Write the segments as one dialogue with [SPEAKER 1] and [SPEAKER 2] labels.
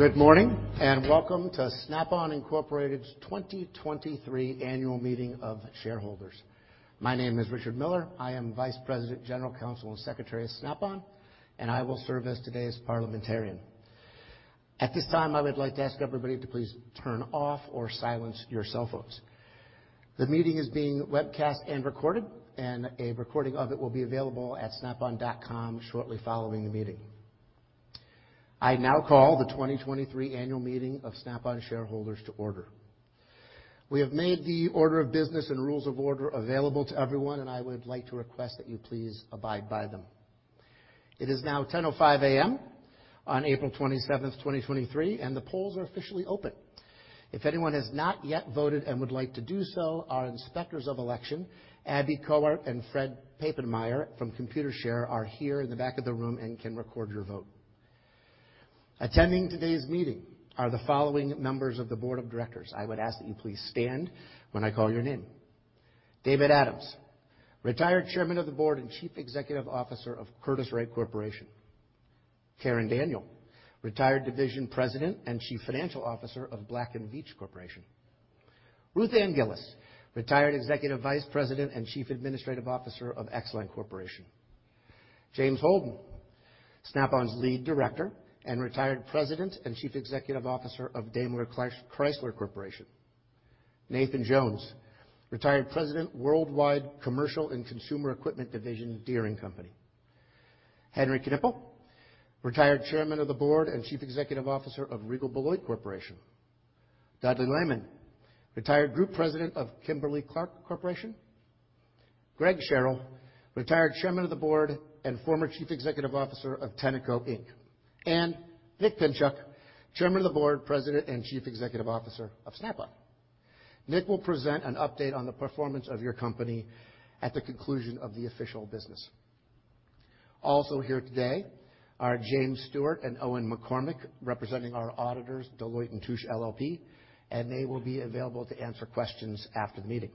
[SPEAKER 1] Good morning and welcome to Snap-on Incorporated's 2023 Annual Meeting of Shareholders. My name is Richard Miller. I am Vice President, General Counsel, and Secretary of Snap-on, and I will serve as today's parliamentarian. At this time, I would like to ask everybody to please turn off or silence your cell phones. The meeting is being webcast and recorded, and a recording of it will be available at snap-on.com shortly following the meeting. I now call the 2023 Annual Meeting of Snap-on Shareholders to order. We have made the order of business and rules of order available to everyone, and I would like to request that you please abide by them. It is now 10:05 A.M. on April 27th, 2023, and the Polls are officially open. If anyone has not yet voted and would like to do so, our Inspectors of Election, Abby Kohart and Fred Papenmeier from Computershare, are here in the back of the room and can record your vote. Attending today's meeting are the following members of the Board of Directors. I would ask that you please stand when I call your name. David C. Adams, retired Chairman of the Board and Chief Executive Officer of Curtiss-Wright Corporation. Karen L. Daniel, retired Division President and Chief Financial Officer of Black & Decker Corporation. Ruth Ann M. Gillis, retired Executive Vice President and Chief Administrative Officer of ExxonMobil Corporation. James P. Holden, Snap-on's Lead Director and retired President and Chief Executive Officer of DaimlerChrysler Corporation. Nathan J. Jones, retired President, Worldwide Commercial and Consumer Equipment Division, Deere & Company. Henry W. Knippel, retired Chairman of the Board and Chief Executive Officer of Regal Beloit Corporation. Dudley Lehman, retired Group President of Kimberly-Clark Corporation. Greg M. Scherpel, retired Chairman of the Board and former Chief Executive Officer of Tecumseh Products Company. Nick Pinchuk, Chairman of the Board, President, and Chief Executive Officer of Snap-on. Nick will present an update on the performance of your company at the conclusion of the official business. Also here today are James Stewart and Owen McCormick, representing our auditors, Deloitte & Touche LLP, and they will be available to answer questions after the meeting.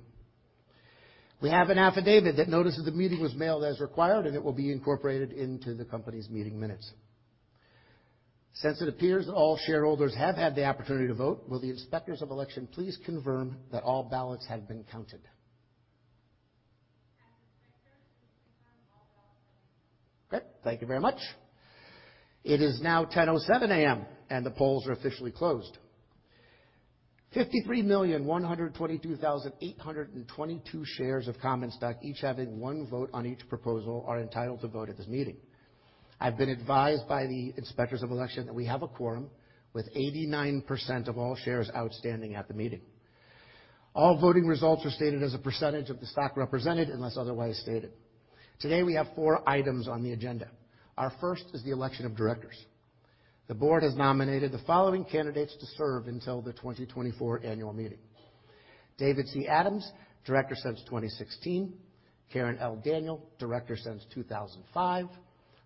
[SPEAKER 1] We have an affidavit that notices the meeting was mailed as required, and it will be incorporated into the company's meeting minutes. Since it appears that all Shareholders have had the opportunity to vote, will the Inspectors of Election please confirm that all ballots have been counted?
[SPEAKER 2] As Inspectors, please confirm all ballots have been counted.
[SPEAKER 1] Okay. Thank you very much. It is now 10:07 A.M., and the polls are officially closed. 53,122,822 shares of Common Stock, each having one vote on each proposal, are entitled to vote at this meeting. I've been advised by the Inspectors of Election that we have a quorum with 89% of all shares outstanding at the meeting. All voting results are stated as a percentage of the stock represented unless otherwise stated. Today, we have four items on the agenda. Our first is the election of directors. The board has nominated the following candidates to serve until the 2024 Annual Meeting: David C. Adams, Director since 2016; Karen L. Daniel, Director since 2005;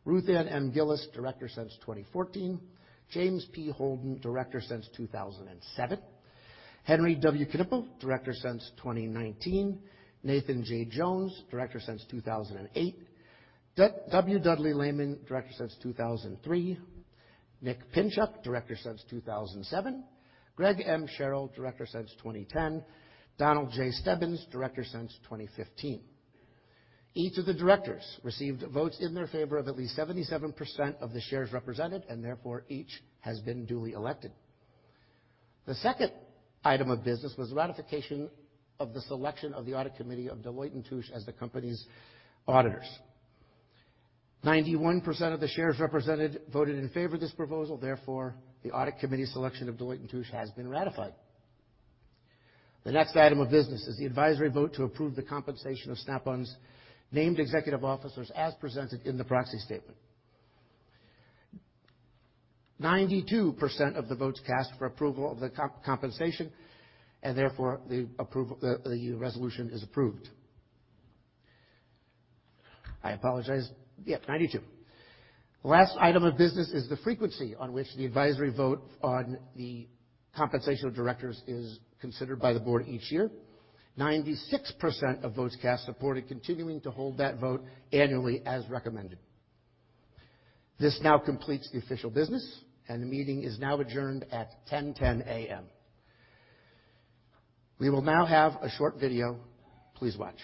[SPEAKER 1] Ruth Ann M. Gillis, Director since 2014; James P. Holden, Director since 2007; Henry W. Knippel, Director since 2019; Nathan J. Jones, Director since 2008; W. Dudley Lehman, Director since 2003; Nick Pinchuk, Director since 2007; Greg M. Scherpel, Director since 2010; Donald J. Stebbins, Director since 2015. Each of the directors received votes in their favor of at least 77% of the shares represented, and therefore each has been duly elected. The second item of business was ratification of the selection of the Audit Committee of Deloitte & Touche as the company's auditors. 91% of the shares represented voted in favor of this proposal. Therefore, the Audit Committee selection of Deloitte & Touche has been ratified. The next item of business is the advisory vote to approve the compensation of Snap-on's named executive officers as presented in the proxy statement. 92% of the votes cast for approval of the compensation, and therefore the resolution is approved. I apologize. Yep, 92. The last item of business is the frequency on which the advisory vote on the compensation of directors is considered by the board each year. 96% of votes cast supported continuing to hold that vote annually as recommended. This now completes the official business, and the meeting is now adjourned at 10:10 A.M. We will now have a short video. Please watch.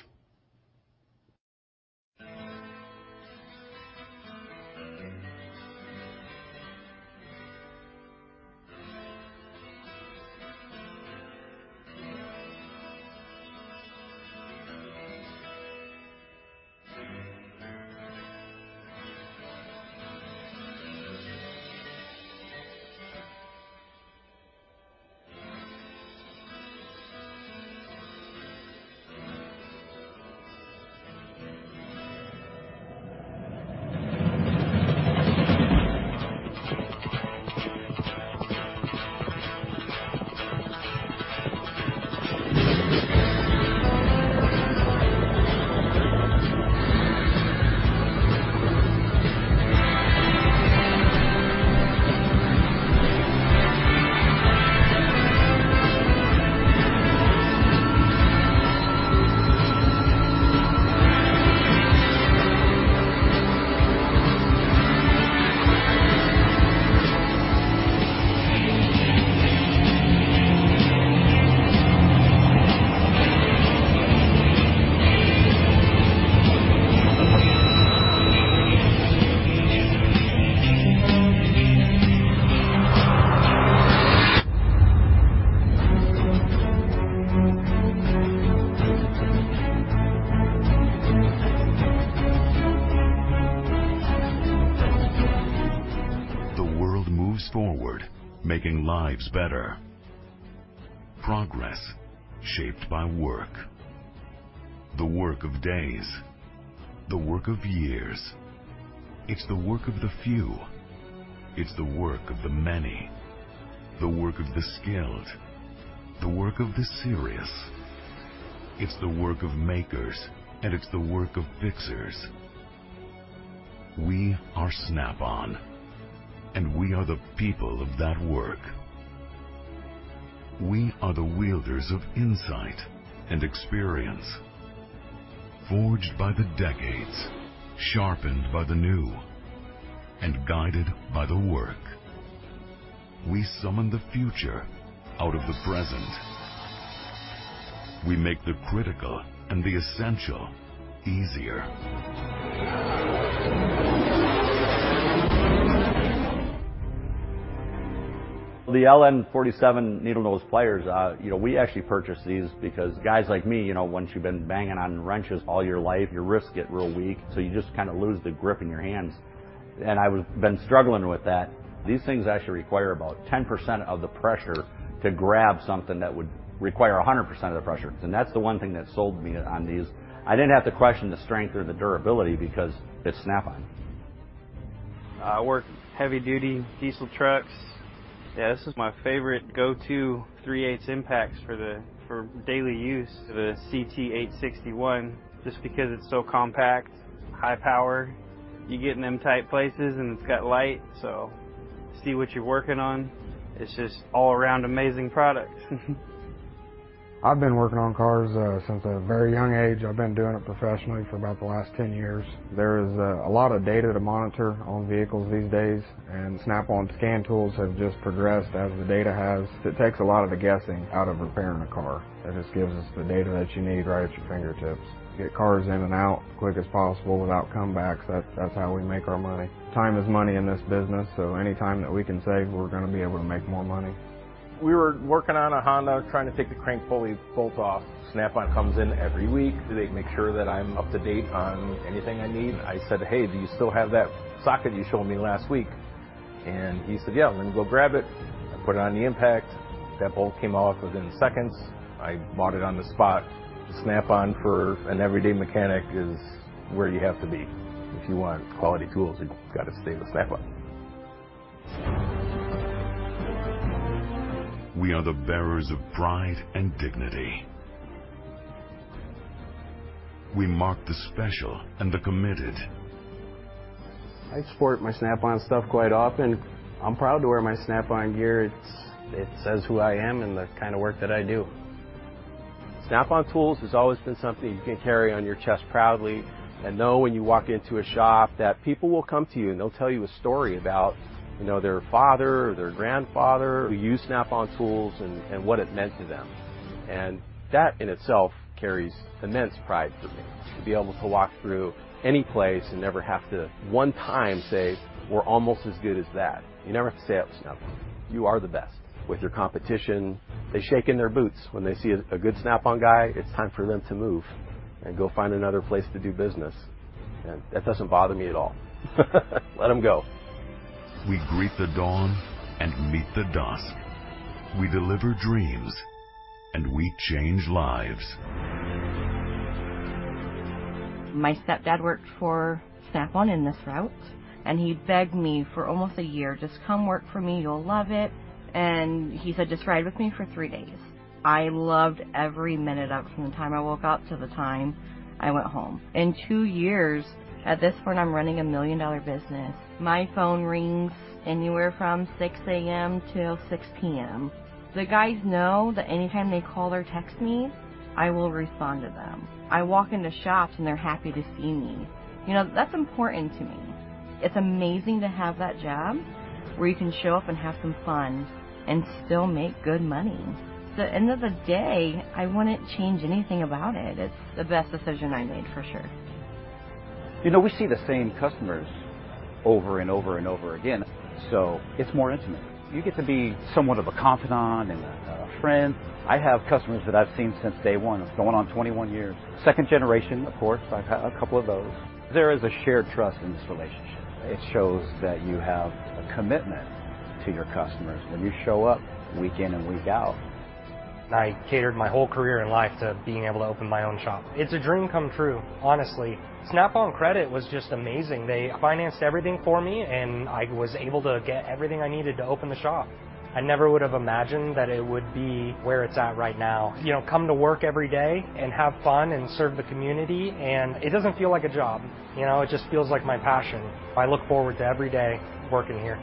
[SPEAKER 3] The world moves forward, making lives better. Progress shaped by work. The work of days, the work of years. It's the work of the few. It's the work of the many. The work of the skilled. The work of the serious. It's the work of makers, and it's the work of fixers. We are Snap-on, and we are the people of that work. We are the wielders of insight and experience, forged by the decades, sharpened by the new, and guided by the work. We summon the future out of the present. We make the critical and the essential easier.
[SPEAKER 4] The LN47 needle-nose pliers, you know, we actually purchased these because guys like me, you know, once you've been banging on wrenches all your life, your wrists get real weak, so you just kind of lose the grip in your hands. I've been struggling with that. These things actually require about 10% of the pressure to grab something that would require 100% of the pressure. That's the one thing that sold me on these. I didn't have to question the strength or the durability because it's Snap-on.
[SPEAKER 5] I work heavy-duty diesel trucks. Yeah, this is my favorite go-to 3/8 impacts for daily use, the CT-861. Just because it's so compact, high power, you get in them tight places and it's got light, so see what you're working on. It's just all-around amazing product. I've been working on cars since a very young age. I've been doing it professionally for about the last 10 years. There is a lot of data to monitor on vehicles these days, and Snap-on scan tools have just progressed as the data has. It takes a lot of the guessing out of repairing a car. It just gives us the data that you need right at your fingertips. Get cars in and out as quick as possible without comebacks. That's how we make our money. Time is money in this business, so any time that we can save, we're going to be able to make more money. We were working on a Honda, trying to take the crank pulley bolt off. Snap-on comes in every week. They make sure that I'm up to date on anything I need. I said, "Hey, do you still have that socket you showed me last week?" He said, "Yeah, I'm going to go grab it." I put it on the impact. That bolt came off within seconds. I bought it on the spot. Snap-on, for an everyday mechanic, is where you have to be. If you want quality tools, you've got to stay with Snap-on.
[SPEAKER 3] We are the bearers of pride and dignity. We mark the special and the committed.
[SPEAKER 5] I export my Snap-on stuff quite often. I'm proud to wear my Snap-on gear. It says who I am and the kind of work that I do. Snap-on tools has always been something you can carry on your chest proudly and know when you walk into a shop that people will come to you and they'll tell you a story about, you know, their father or their grandfather who used Snap-on tools and what it meant to them. That in itself carries immense pride for me, to be able to walk through any place and never have to one time say, "We're almost as good as that." You never have to say, "Oh, Snap-on. You are the best." With your competition, they shake in their boots when they see a good Snap-on guy. It's time for them to move and go find another place to do business. That doesn't bother me at all. Let them go.
[SPEAKER 3] We greet the dawn and meet the dusk. We deliver dreams and we change lives.
[SPEAKER 5] My stepdad worked for Snap-on in this route, and he begged me for almost a year, "Just come work for me. You'll love it." He said, "Just ride with me for three days." I loved every minute of it from the time I woke up to the time I went home. In two years, at this point, I'm running a million-dollar business. My phone rings anywhere from 6:00 A.M. to 6:00 P.M. The guys know that anytime they call or text me, I will respond to them. I walk into shops and they're happy to see me. You know, that's important to me. It's amazing to have that job where you can show up and have some fun and still make good money. At the end of the day, I wouldn't change anything about it. It's the best decision I made, for sure.
[SPEAKER 4] You know, we see the same customers over and over again, so it's more intimate. You get to be somewhat of a confidant and a friend. I have customers that I've seen since day one. It's going on 21 years. Second generation, of course. I've had a couple of those. There is a shared trust in this relationship. It shows that you have a commitment to your customers when you show up week in and week out.
[SPEAKER 5] I catered my whole career and life to being able to open my own shop. It's a dream come true, honestly. Snap-on Credit was just amazing. They financed everything for me, and I was able to get everything I needed to open the shop. I never would have imagined that it would be where it's at right now. You know, come to work every day and have fun and serve the community, and it doesn't feel like a job. You know, it just feels like my passion. I look forward to every day working here.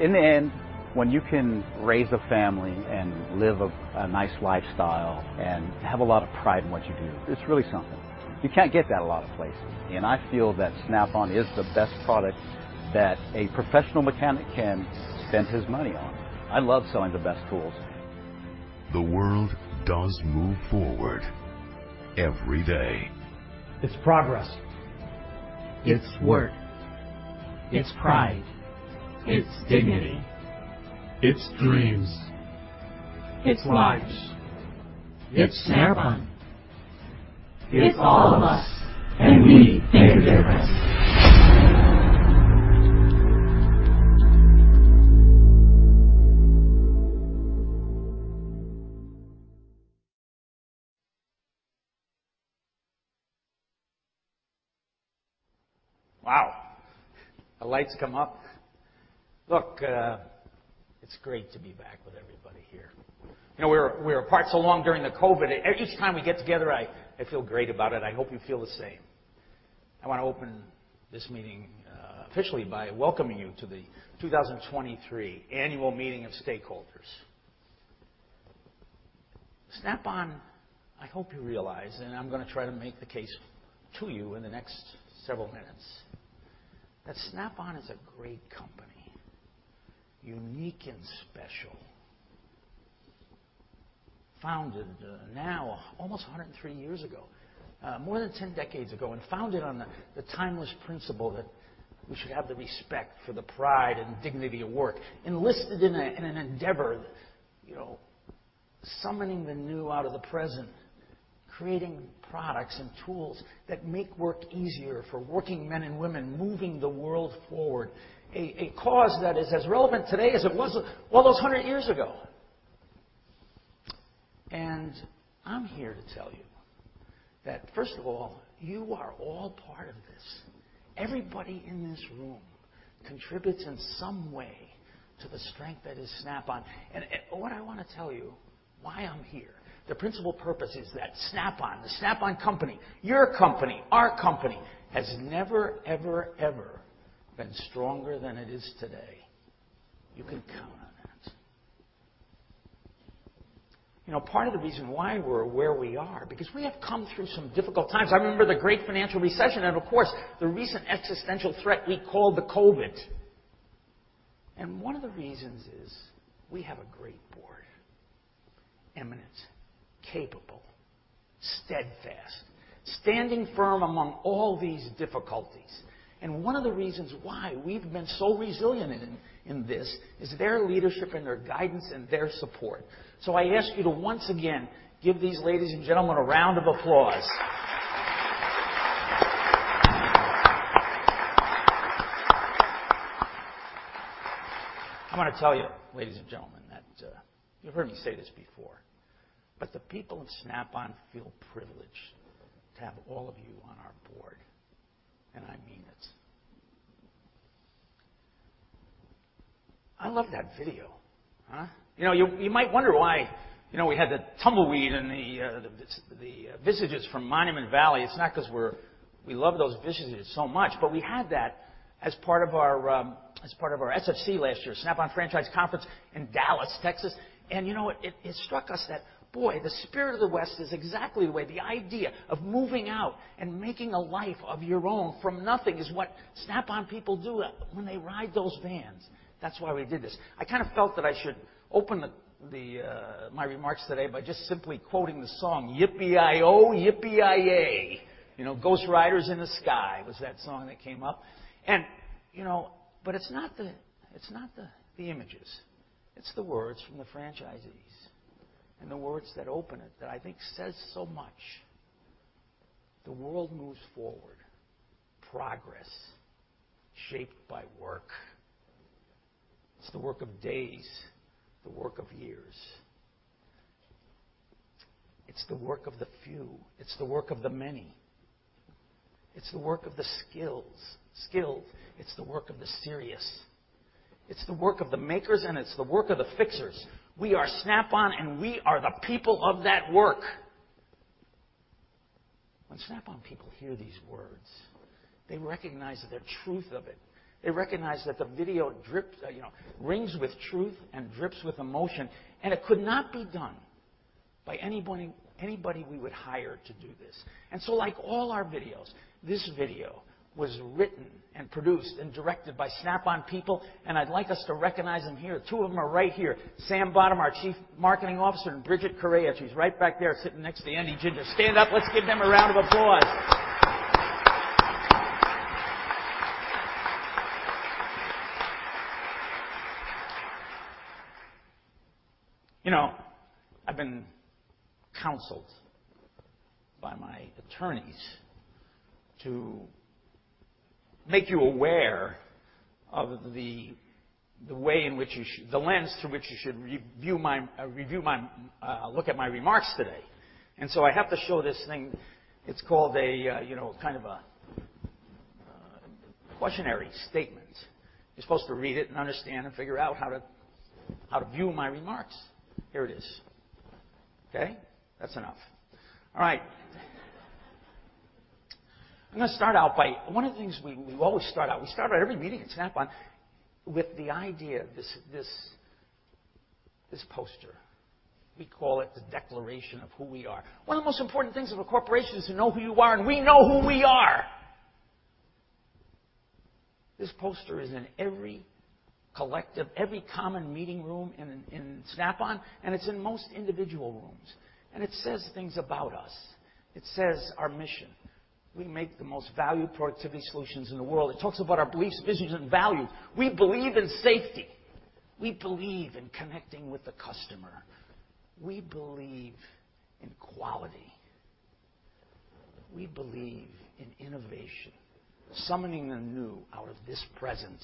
[SPEAKER 4] In the end, when you can raise a family and live a nice lifestyle and have a lot of pride in what you do, it's really something. You can't get that a lot of places. I feel that Snap-on is the best product that a professional mechanic can spend his money on. I love selling the best tools.
[SPEAKER 3] The world does move forward every day.
[SPEAKER 5] It's progress. It's work. It's pride. It's dignity. It's dreams. It's lives. It's Snap-on. It's all of us. We make a difference.
[SPEAKER 4] Wow. The lights come up. Look, it's great to be back with everybody here. You know, we were apart so long during the COVID. Each time we get together, I feel great about it. I hope you feel the same. I want to open this meeting officially by welcoming you to the 2023 Annual Meeting of Stakeholders. Snap-on, I hope you realize, and I'm going to try to make the case to you in the next several minutes, that Snap-on is a great company, unique and special, founded now almost 103 years ago, more than 10 decades ago, and founded on the timeless principle that we should have the respect for the pride and dignity of work, enlisted in an endeavor, you know, summoning the new out of the present, creating products and tools that make work easier for working men and women, moving the world forward, a cause that is as relevant today as it was all those 100 years ago. I'm here to tell you that, first of all, you are all part of this. Everybody in this room contributes in some way to the strength that is Snap-on. What I want to tell you, why I'm here, the principal purpose is that Snap-on, the Snap-on company, your company, our company has never, ever, ever been stronger than it is today. You can count on that. You know, part of the reason why we're where we are is because we have come through some difficult times. I remember the Great Financial Recession and, of course, the recent existential threat we called the COVID. One of the reasons is we have a great board, eminent, capable, steadfast, standing firm among all these difficulties. One of the reasons why we've been so resilient in this is their leadership and their guidance and their support. I ask you to once again give these ladies and gentlemen a round of applause. I want to tell you, ladies and gentlemen, that you've heard me say this before, but the people of Snap-on feel privileged to have all of you on our board, and I mean it. I love that video, huh? You know, you might wonder why, you know, we had the tumbleweed and the visages from Monument Valley. It's not because we love those visages so much, but we had that as part of our SFC last year, Snap-on Franchise Conference in Dallas, Texas. You know what? It struck us that, boy, the spirit of the West is exactly the way the idea of moving out and making a life of your own from nothing is what Snap-on people do when they ride those vans. That's why we did this. I kind of felt that I should open my remarks today by just simply quoting the song, "Yippie-yee-oh, yippie-yee-yee." You know, "Ghost Riders in the Sky" was that song that came up. You know, it is not the images. It is the words from the franchisees and the words that open it that I think say so much. The world moves forward. Progress shaped by work. It is the work of days, the work of years. It is the work of the few. It is the work of the many. It is the work of the skilled. Skilled. It is the work of the serious. It is the work of the makers, and it is the work of the fixers. We are Snap-on, and we are the people of that work. When Snap-on people hear these words, they recognize the truth of it. They recognize that the video drips, you know, rings with truth and drips with emotion. It could not be done by anybody we would hire to do this. Like all our videos, this video was written and produced and directed by Snap-on people. I'd like us to recognize them here. Two of them are right here, Sam Bottomar, Chief Marketing Officer, and Bridget Correa. She's right back there sitting next to Andy Ginger. Stand up. Let's give them a round of applause. You know, I've been counseled by my attorneys to make you aware of the way in which you should, the lens through which you should review my look at my remarks today. I have to show this thing. It's called a, you know, kind of a questionnaire statement. You're supposed to read it and understand and figure out how to view my remarks. Here it is. Okay? That's enough. All right. I'm going to start out by, one of the things we always start out, we start out every meeting at Snap-on with the idea, this poster. We call it the Declaration of Who We Are. One of the most important things of a corporation is to know who you are, and we know who we are. This poster is in every collective, every common meeting room in Snap-on, and it's in most individual rooms. It says things about us. It says our mission. We make the most valued productivity solutions in the world. It talks about our beliefs, visions, and values. We believe in safety. We believe in connecting with the customer. We believe in quality. We believe in innovation, summoning the new out of this present.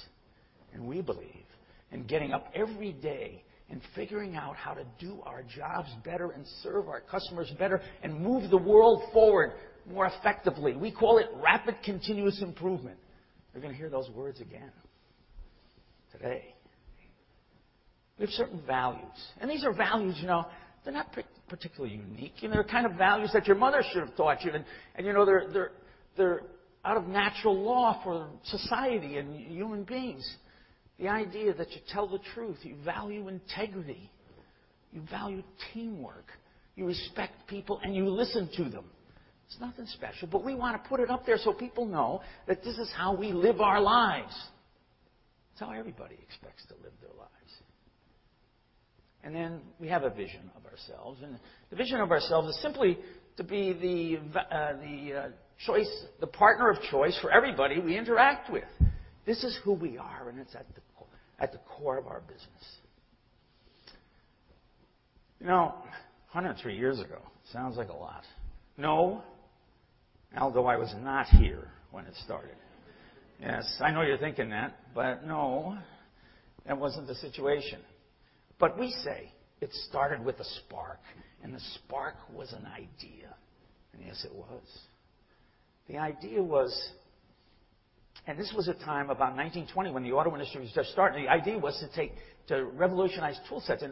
[SPEAKER 4] And we believe in getting up every day and figuring out how to do our jobs better and serve our customers better and move the world forward more effectively. We call it rapid continuous improvement. You're going to hear those words again today. We have certain values, and these are values, you know, they're not particularly unique. You know, they're kind of values that your mother should have taught you. And, you know, they're out of natural law for society and human beings. The idea that you tell the truth, you value integrity, you value teamwork, you respect people, and you listen to them. It's nothing special, but we want to put it up there so people know that this is how we live our lives. It's how everybody expects to live their lives. We have a vision of ourselves. The vision of ourselves is simply to be the choice, the partner of choice for everybody we interact with. This is who we are, and it is at the core of our business. You know, 103 years ago, it sounds like a lot. No, although I was not here when it started. Yes, I know you are thinking that, but no, that was not the situation. We say it started with a spark, and the spark was an idea. Yes, it was. The idea was, and this was a time about 1920 when the auto industry was just starting. The idea was to revolutionize tool sets.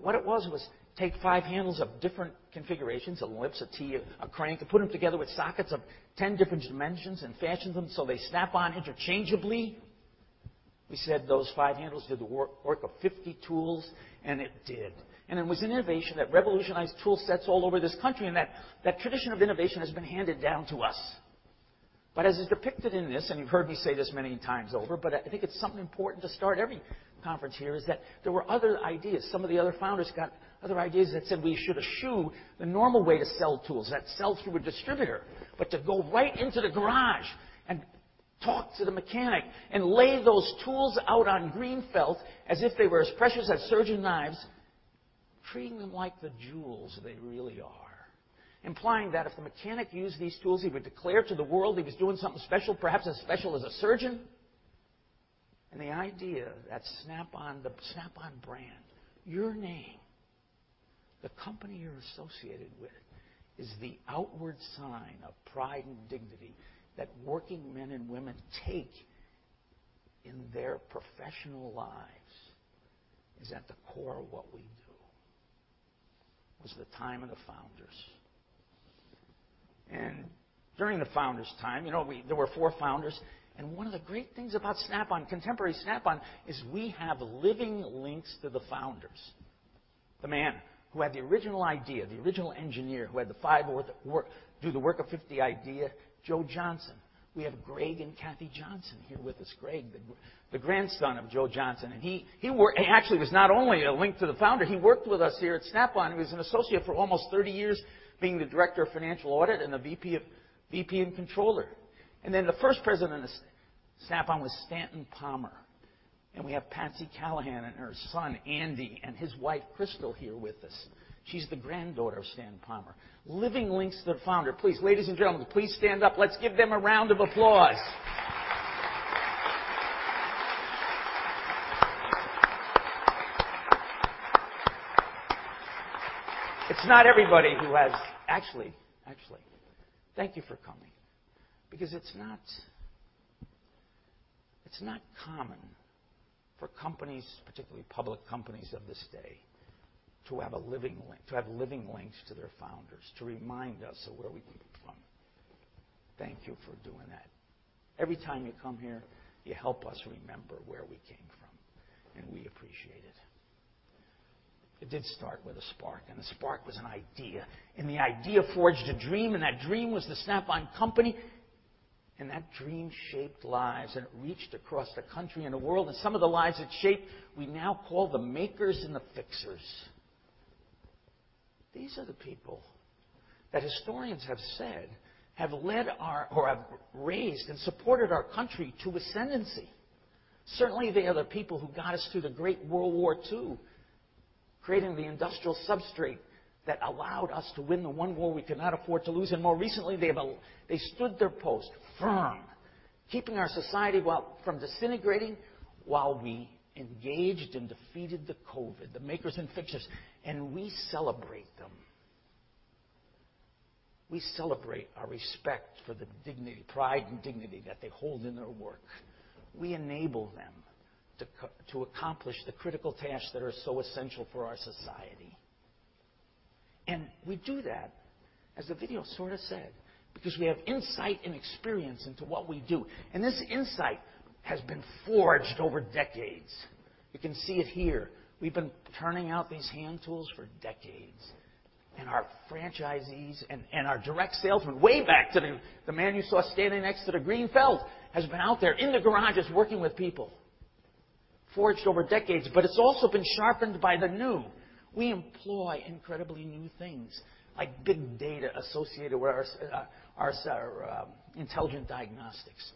[SPEAKER 4] What it was was take five handles of different configurations, a lips, a T, a crank, and put them together with sockets of 10 different dimensions and fashion them so they snap on interchangeably. We said those five handles did the work of 50 tools, and it did. It was an innovation that revolutionized tool sets all over this country, and that tradition of innovation has been handed down to us. As is depicted in this, and you've heard me say this many times over, I think it's something important to start every conference here is that there were other ideas. Some of the other founders got other ideas that said we should eschew the normal way to sell tools, that sell through a distributor, but to go right into the garage and talk to the mechanic and lay those tools out on green felt as if they were as precious as surgeon knives, treating them like the jewels they really are, implying that if the mechanic used these tools, he would declare to the world he was doing something special, perhaps as special as a surgeon. The idea that Snap-on, the Snap-on brand, your name, the company you're associated with is the outward sign of pride and dignity that working men and women take in their professional lives is at the core of what we do. It was the time of the founders. During the founders' time, you know, there were four founders. One of the great things about Snap-on, contemporary Snap-on, is we have living links to the founders. The man who had the original idea, the original engineer who had the five work do the work of 50 idea, Joe Johnson. We have Greg and Kathy Johnson here with us. Greg, the grandson of Joe Johnson, and he actually was not only a link to the founder. He worked with us here at Snap-on. He was an associate for almost 30 years, being the Director of Financial Audit and the VP and Controller. The first President of Snap-on was Stanton Palmer. We have Patsy Callahan and her son, Andy, and his wife, Crystal, here with us. She is the granddaughter of Stanton Palmer. Living links to the founder. Please, ladies and gentlemen, please stand up. Let's give them a round of applause. It's not everybody who has actually, thank you for coming. Because it's not common for companies, particularly public companies of this day, to have a living link, to have living links to their founders, to remind us of where we came from. Thank you for doing that. Every time you come here, you help us remember where we came from, and we appreciate it. It did start with a spark, and the spark was an idea. The idea forged a dream, and that dream was the Snap-on company. That dream shaped lives, and it reached across the country and the world. Some of the lives it shaped, we now call the makers and the fixers. These are the people that historians have said have led our or have raised and supported our country to ascendancy. Certainly, they are the people who got us through the Great World War II, creating the industrial substrate that allowed us to win the one war we could not afford to lose. More recently, they stood their post firm, keeping our society from disintegrating while we engaged and defeated the COVID, the makers and fixers. We celebrate them. We celebrate our respect for the pride and dignity that they hold in their work. We enable them to accomplish the critical tasks that are so essential for our society. We do that, as the video sort of said, because we have insight and experience into what we do. This insight has been forged over decades. You can see it here. We have been turning out these hand tools for decades. Our franchisees and our direct salesmen, way back to the man you saw standing next to the green felt, have been out there in the garages working with people, forged over decades, but it has also been sharpened by the new. We employ incredibly new things, like big data associated with our intelligent diagnostics.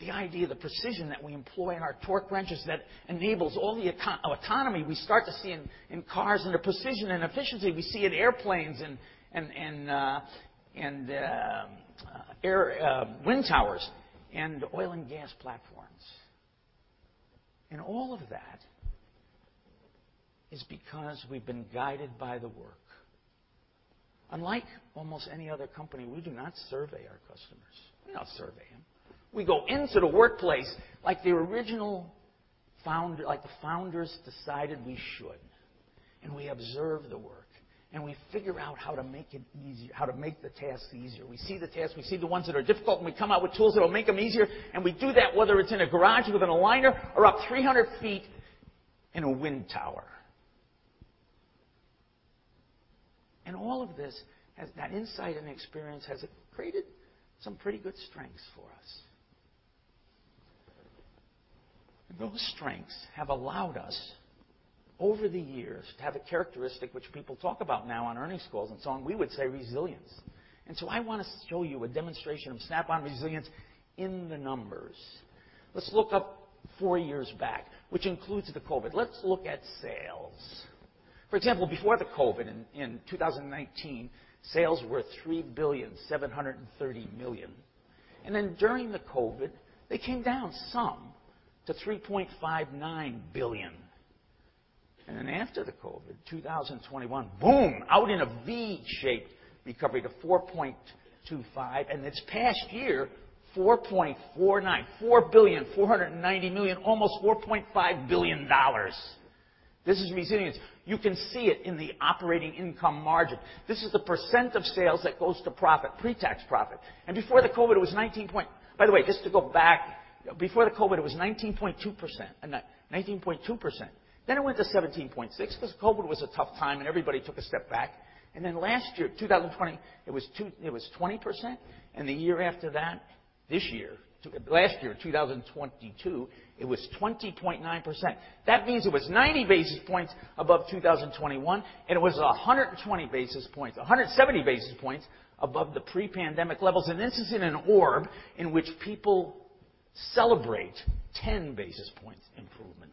[SPEAKER 4] The idea of the precision that we employ in our torque wrenches enables all the autonomy we start to see in cars and the precision and efficiency we see in airplanes and wind towers and oil and gas platforms. All of that is because we have been guided by the work. Unlike almost any other company, we do not survey our customers. We do not survey them. We go into the workplace like the original founder, like the founders decided we should. We observe the work, and we figure out how to make it easier, how to make the tasks easier. We see the tasks. We see the ones that are difficult, and we come out with tools that will make them easier. We do that whether it is in a garage with an aligner or up 300 feet in a wind tower. All of this, that insight and experience has created some pretty good strengths for us. Those strengths have allowed us over the years to have a characteristic which people talk about now on earnings calls and so on. We would say resilience. I want to show you a demonstration of Snap-on resilience in the numbers. Let's look up four years back, which includes the COVID. Let's look at sales. For example, before the COVID in 2019, sales were $3,730,000,000. During the COVID, they came down some to $3.59 billion. After the COVID, 2021, boom, out in a V-shaped recovery to $4.25 billion. This past year, $4.49 billion, $4,490,000,000, almost $4.5 billion. This is resilience. You can see it in the operating income margin. This is the percent of sales that goes to profit, pre-tax profit. Before the COVID, it was 19%. By the way, just to go back, before the COVID, it was 19.2%, 19.2%. Then it went to 17.6% because COVID was a tough time, and everybody took a step back. Last year, 2020, it was 20%. The year after that, this year, last year, 2022, it was 20.9%. That means it was 90 basis points above 2021, and it was 120 basis points, 170 basis points above the pre-pandemic levels. This is in an orb in which people celebrate 10 basis points improvement.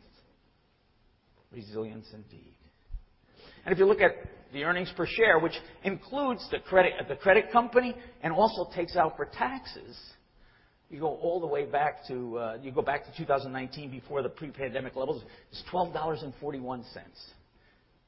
[SPEAKER 4] Resilience indeed. If you look at the earnings per share, which includes the credit company and also takes out for taxes, you go all the way back to, you go back to 2019 before the pre-pandemic levels, it's $12.41.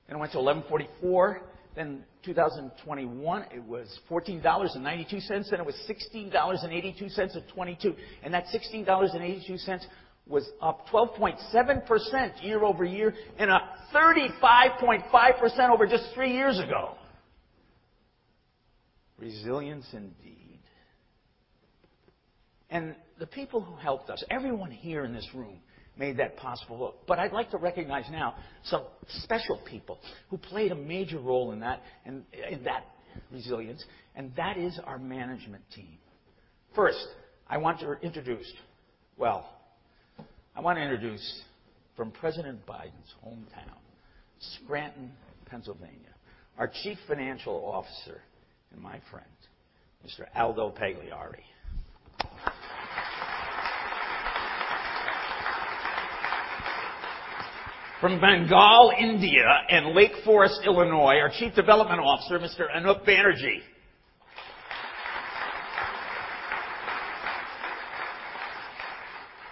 [SPEAKER 4] It went to $11.44. In 2021, it was $14.92. It was $16.82 at 2022. That $16.82 was up 12.7% year over year and up 35.5% over just three years ago. Resilience indeed. The people who helped us, everyone here in this room made that possible. I would like to recognize now some special people who played a major role in that resilience, and that is our management team. First, I want to introduce, from President Biden's hometown, Scranton, Pennsylvania, our Chief Financial Officer and my friend, Mr. Aldo Pagliari. From Bengal, India, and Lake Forest, Illinois, our Chief Development Officer, Mr. Anup Banerjee.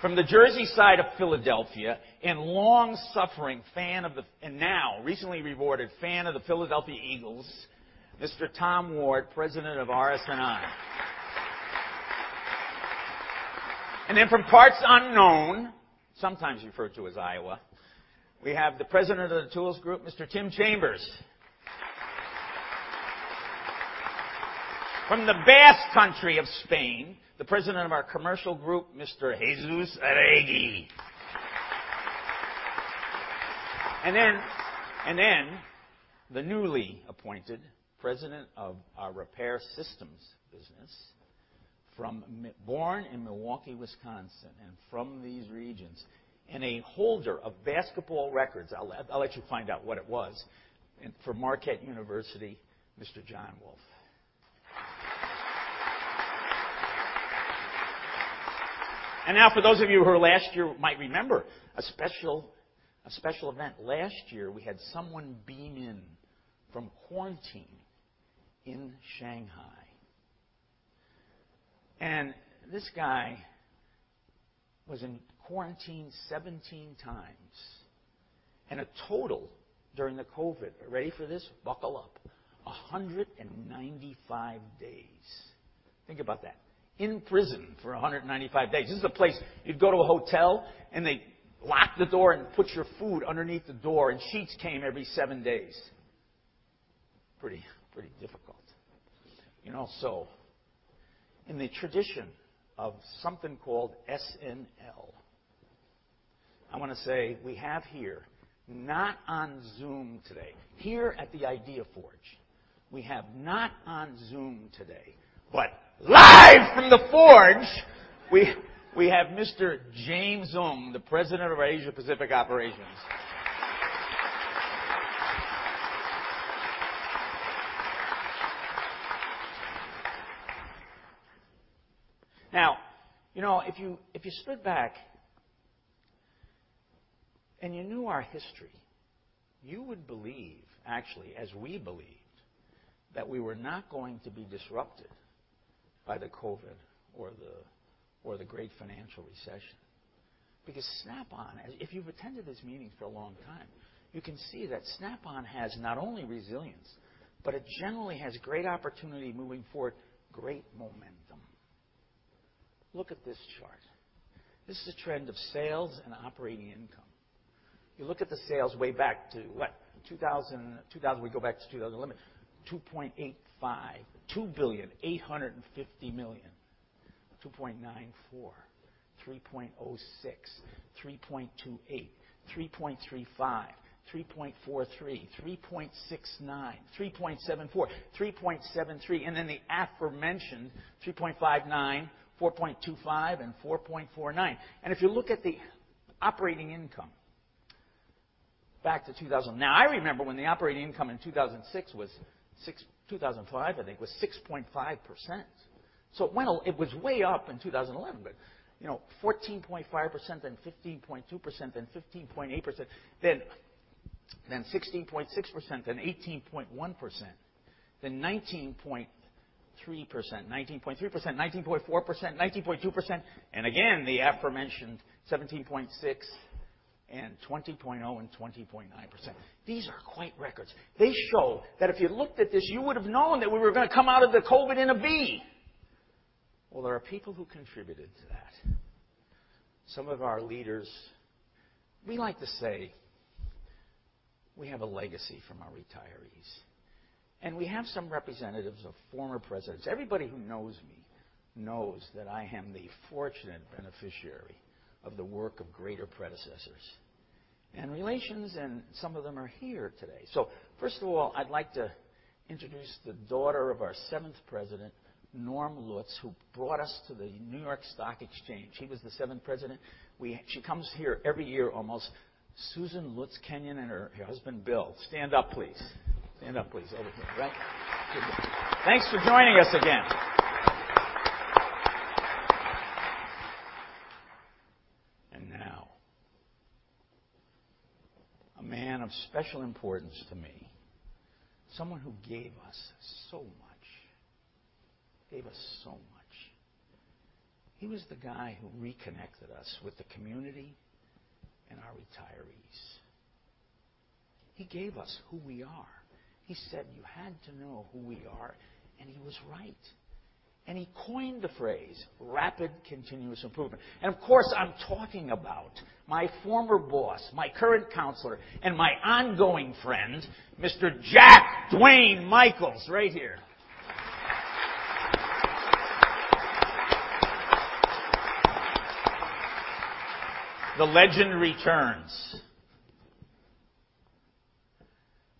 [SPEAKER 4] From the Jersey side of Philadelphia, and long-suffering fan of the, and now recently rewarded fan of the Philadelphia Eagles, Mr. Tom Ward, President of RS&I. From parts unknown, sometimes referred to as Iowa, we have the President of the Tools Group, Mr. Tim Chambers. From the Basque Country of Spain, the President of our Commercial Group, Mr. Jesus Aregi. The newly appointed President of our Repair Systems business, born in Milwaukee, Wisconsin, and from these regions, and a holder of basketball records. I'll let you find out what it was. From Marquette University, Mr. John Wolf. For those of you who last year might remember a special event, last year we had someone beam in from quarantine in Shanghai. This guy was in quarantine 17 times and a total during the COVID. Ready for this? Buckle up. 195 days. Think about that. In prison for 195 days. This is a place you'd go to a hotel and they lock the door and put your food underneath the door, and sheets came every seven days. Pretty difficult. You know, in the tradition of something called SNL, I want to say we have here, not on Zoom today, here at the Idea Forge, we have not on Zoom today, but live from the Forge, we have Mr. James Ong, the President of our Asia-Pacific operations. Now, you know, if you stood back and you knew our history, you would believe, actually, as we believed, that we were not going to be disrupted by the COVID or the great financial recession. Because Snap-on, if you've attended these meetings for a long time, you can see that Snap-on has not only resilience, but it generally has great opportunity moving forward, great momentum. Look at this chart. This is a trend of sales and operating income. You look at the sales way back to what? 2000, we go back to 2011, $2.85 billion, $2,850,000, $2.94 billion, $3.06 billion, $3.28 billion, $3.35 billion, $3.43 billion, $3.69 billion, $3.74 billion, $3.73 billion. And then the aforementioned $3.59 billion, $4.25 billion, and $4.49 billion. If you look at the operating income back to 2000, now I remember when the operating income in 2006 was 6%, 2005, I think was 6.5%. It was way up in 2011, but, you know, 14.5%, then 15.2%, then 15.8%, then 16.6%, then 18.1%, then 19.3%, 19.3%, 19.4%, 19.2%. Again, the aforementioned 17.6% and 20.0% and 20.9%. These are quite records. They show that if you looked at this, you would have known that we were going to come out of the COVID in a V. There are people who contributed to that. Some of our leaders, we like to say we have a legacy from our retirees. We have some representatives of former presidents. Everybody who knows me knows that I am the fortunate beneficiary of the work of greater predecessors. And relations, and some of them are here today. First of all, I'd like to introduce the daughter of our seventh president, Norm Lutz, who brought us to the New York Stock Exchange. He was the seventh president. She comes here every year almost. Susan Lutz Kenyon and her husband, Bill. Stand up, please. Stand up, please. Over here, right? Thanks for joining us again. Now, a man of special importance to me, someone who gave us so much, gave us so much. He was the guy who reconnected us with the community and our retirees. He gave us who we are. He said, "You had to know who we are," and he was right. He coined the phrase, rapid continuous improvement. Of course, I'm talking about my former boss, my current counselor, and my ongoing friend, Mr. Jack Duane Michaels, right here. The legend returns.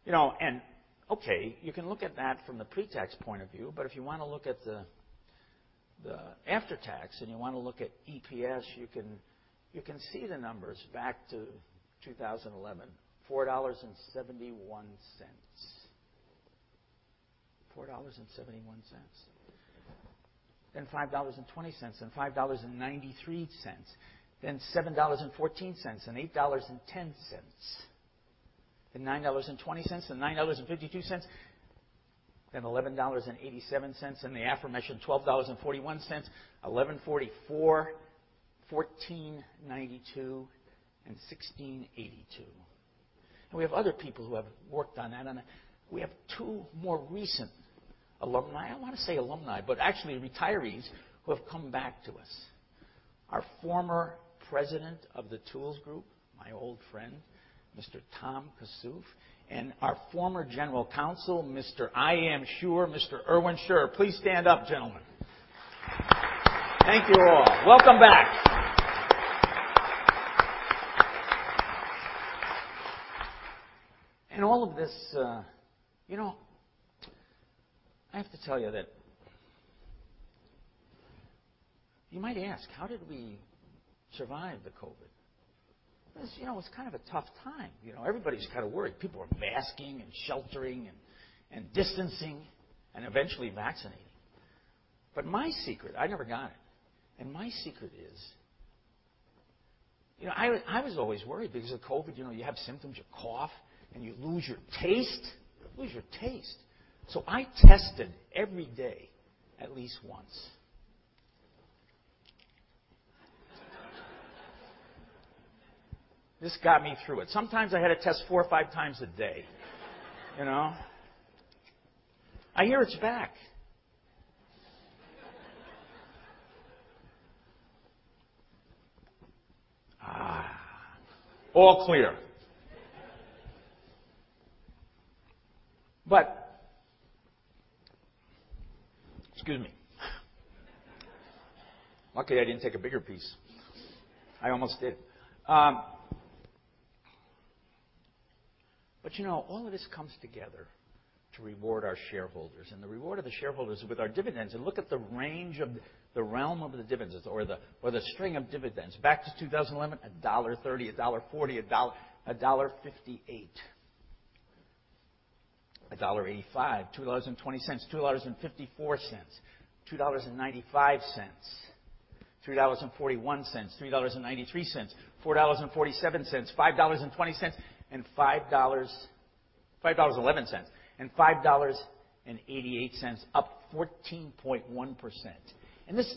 [SPEAKER 4] You know, and okay, you can look at that from the pre-tax point of view, but if you want to look at the after-tax and you want to look at EPS, you can see the numbers back to 2011, $4.71, $4.71, then $5.20, then $5.93, then $7.14, then $8.10, then $9.20, then $9.52, then $11.87, and the aforementioned $12.41, $11.44, $14.92, and $16.82. We have other people who have worked on that. We have two more recent alumni. I want to say alumni, but actually retirees who have come back to us. Our former President of the Tools Group, my old friend, Mr. Tom Kasuch, and our former General Counsel, Mr. Irwin Scher. Please stand up, gentlemen. Thank you all. Welcome back. All of this, you know, I have to tell you that you might ask, how did we survive the COVID? You know, it's kind of a tough time. You know, everybody's kind of worried. People are masking and sheltering and distancing and eventually vaccinating. My secret, I never got it. My secret is, you know, I was always worried because of COVID, you know, you have symptoms, you cough, and you lose your taste. You lose your taste. I tested every day at least once. This got me through it. Sometimes I had to test four or five times a day, you know. I hear it's back. All clear. Excuse me. Luckily, I didn't take a bigger piece. I almost did. You know, all of this comes together to reward our Shareholders. The reward of the Shareholders with our dividends. Look at the range of the realm of the dividends or the string of dividends. Back to 2011, $1.30, $1.40, $1.58, $1.85, $2.20, $2.54, $2.95, $3.41, $3.93, $4.47, $5.20, $5.11, and $5.88, up 14.1%. This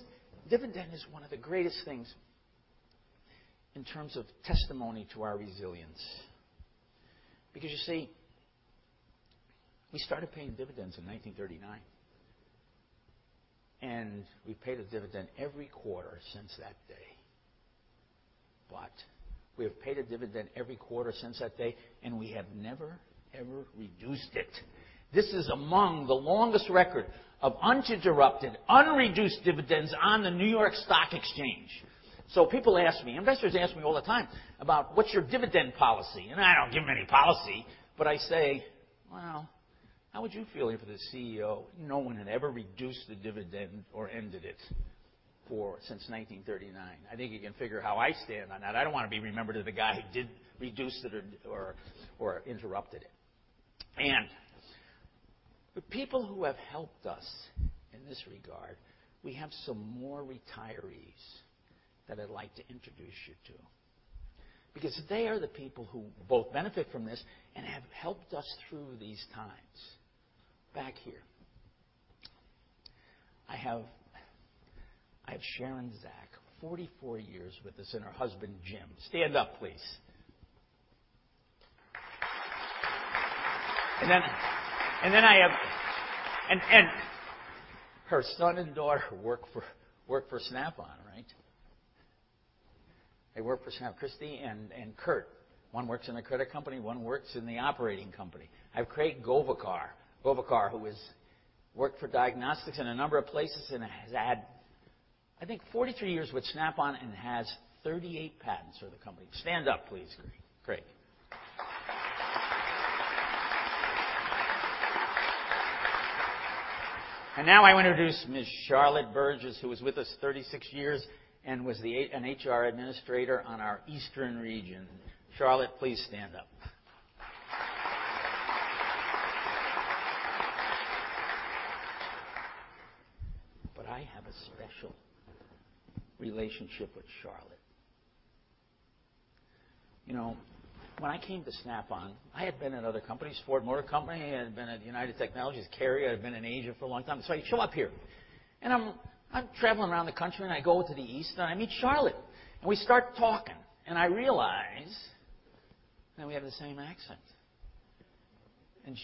[SPEAKER 4] dividend is one of the greatest things in terms of testimony to our resilience. You see, we started paying dividends in 1939. We have paid a dividend every quarter since that day. We have paid a dividend every quarter since that day, and we have never, ever reduced it. This is among the longest record of uninterrupted, unreduced dividends on the New York Stock Exchange. People ask me, investors ask me all the time about what's your dividend policy. I do not give them any policy, but I say, well, how would you feel if the CEO, no one had ever reduced the dividend or ended it since 1939? I think you can figure how I stand on that. I do not want to be remembered as the guy who did reduce it or interrupted it. The people who have helped us in this regard, we have some more retirees that I would like to introduce you to. They are the people who both benefit from this and have helped us through these times. Back here, I have Sharon Zack, 44 years with us, and her husband, Jim. Stand up, please. I have, and her son and daughter work for Snap-on, right? They work for Snap. Christy and Kurt, one works in the credit company, one works in the operating company. I have Craig Govacar, who has worked for diagnostics in a number of places and has had, I think, 43 years with Snap-on and has 38 patents for the company. Stand up, please, Craig. Now I want to introduce Ms. Charlotte Burgess, who was with us 36 years and was an HR administrator on our Eastern region. Charlotte, please stand up. I have a special relationship with Charlotte. You know, when I came to Snap-on, I had been at other companies, Ford Motor Company, I had been at United Technologies, Carrier, I had been in Asia for a long time. I show up here. I am traveling around the country and I go to the East and I meet Charlotte. We start talking. I realize that we have the same accent.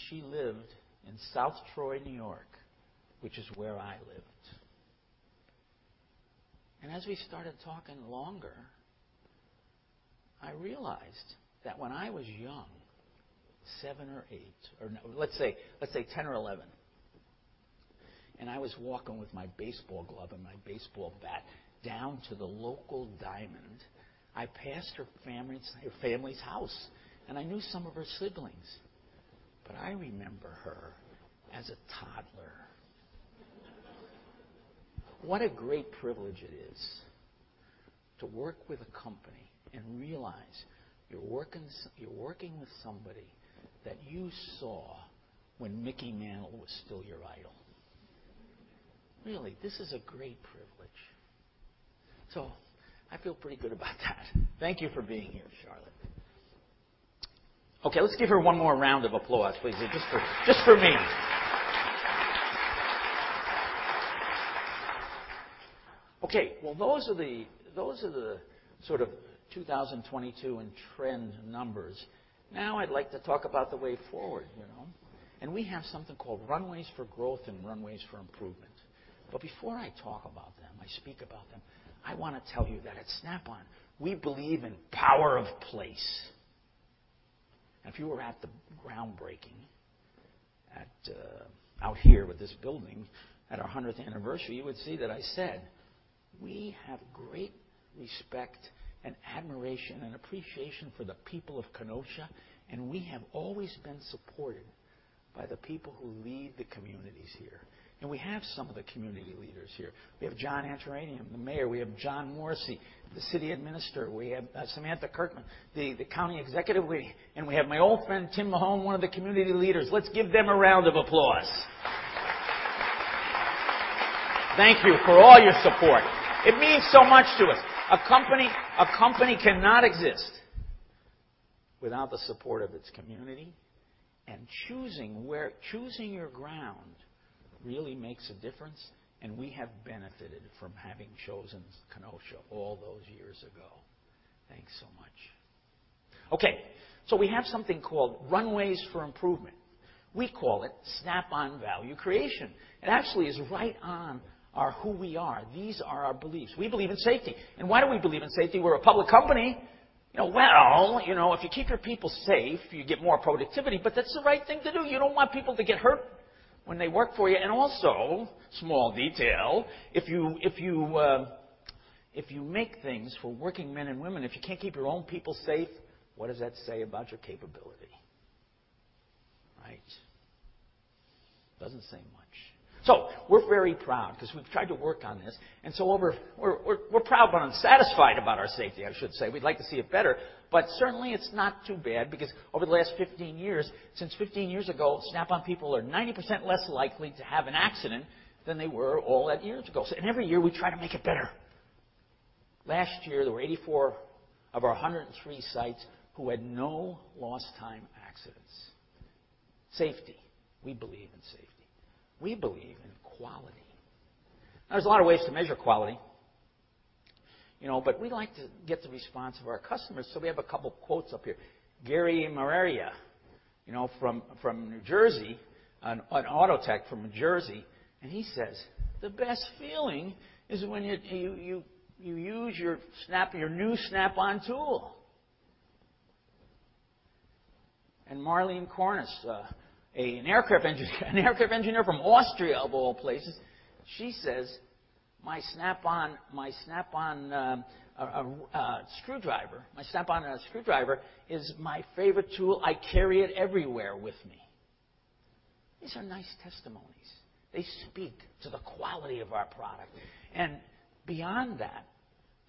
[SPEAKER 4] She lived in South Troy, New York, which is where I lived. As we started talking longer, I realized that when I was young, seven or eight, or let's say 10 or 11, and I was walking with my baseball glove and my baseball bat down to the local diamond, I passed her family's house. I knew some of her siblings. I remember her as a toddler. What a great privilege it is to work with a company and realize you're working with somebody that you saw when Mickey Mantle was still your idol. Really, this is a great privilege. I feel pretty good about that. Thank you for being here, Charlotte. Okay, let's give her one more round of applause, please, just for me. Those are the sort of 2022 and trend numbers. Now I would like to talk about the way forward, you know. We have something called Runways for Growth and Runways for Improvement. Before I speak about them, I want to tell you that at Snap-on, we believe in power of place. If you were at the groundbreaking out here with this building at our 100th anniversary, you would see that I said, "We have great respect and admiration and appreciation for the people of Kenosha, and we have always been supported by the people who lead the communities here." We have some of the community leaders here. We have John Anterani, the mayor. We have John Morsey, the city administrator. We have Samantha Kirkman, the county executive. We have my old friend, Tim Mahone, one of the community leaders. Let's give them a round of applause. Thank you for all your support. It means so much to us. A company cannot exist without the support of its community. Choosing your ground really makes a difference. We have benefited from having chosen Kenosha all those years ago. Thanks so much. Okay, so we have something called Runways for Improvement. We call it Snap-on Value Creation. It actually is right on our who we are. These are our beliefs. We believe in safety. And why do we believe in safety? We're a public company. You know, well, you know, if you keep your people safe, you get more productivity. But that's the right thing to do. You don't want people to get hurt when they work for you. Also, small detail, if you make things for working men and women, if you can't keep your own people safe, what does that say about your capability? Right? Doesn't say much. So we're very proud because we've tried to work on this. We're proud but unsatisfied about our safety, I should say. We'd like to see it better. Certainly it's not too bad because over the last 15 years, since 15 years ago, Snap-on people are 90% less likely to have an accident than they were all that years ago. Every year we try to make it better. Last year, there were 84 of our 103 sites who had no lost-time accidents. Safety. We believe in safety. We believe in quality. There's a lot of ways to measure quality. You know, but we'd like to get the response of our customers. So we have a couple of quotes up here. Gary Mereria, you know, from New Jersey, an auto tech from New Jersey. He says, "The best feeling is when you use your new Snap-on tool." Marlene Cornis, an aircraft engineer from Austria, of all places, she says, "My Snap-on screwdriver, my Snap-on screwdriver is my favorite tool. I carry it everywhere with me." These are nice testimonies. They speak to the quality of our product. Beyond that,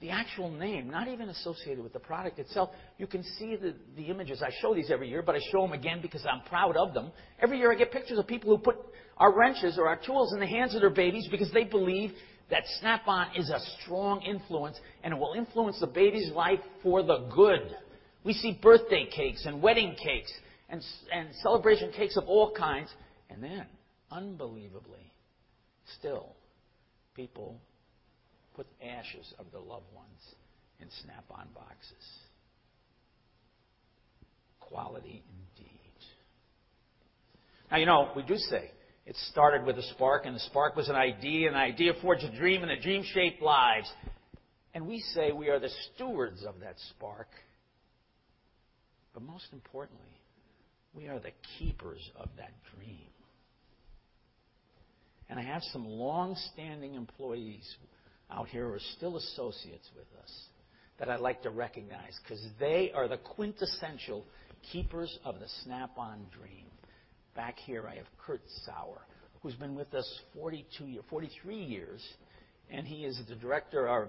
[SPEAKER 4] the actual name, not even associated with the product itself, you can see the images. I show these every year, but I show them again because I'm proud of them. Every year I get pictures of people who put our wrenches or our tools in the hands of their babies because they believe that Snap-on is a strong influence and it will influence the baby's life for the good. We see birthday cakes and wedding cakes and celebration cakes of all kinds. Unbelievably, still, people put ashes of their loved ones in Snap-on boxes. Quality indeed. Now, you know, we do say it started with a spark, and the spark was an idea, an idea forged a dream, and a dream shaped lives. We say we are the stewards of that spark. Most importantly, we are the keepers of that dream. I have some long-standing employees out here who are still associates with us that I'd like to recognize because they are the quintessential keepers of the Snap-on dream. Back here, I have Kurt Sauer, who's been with us 43 years. He is the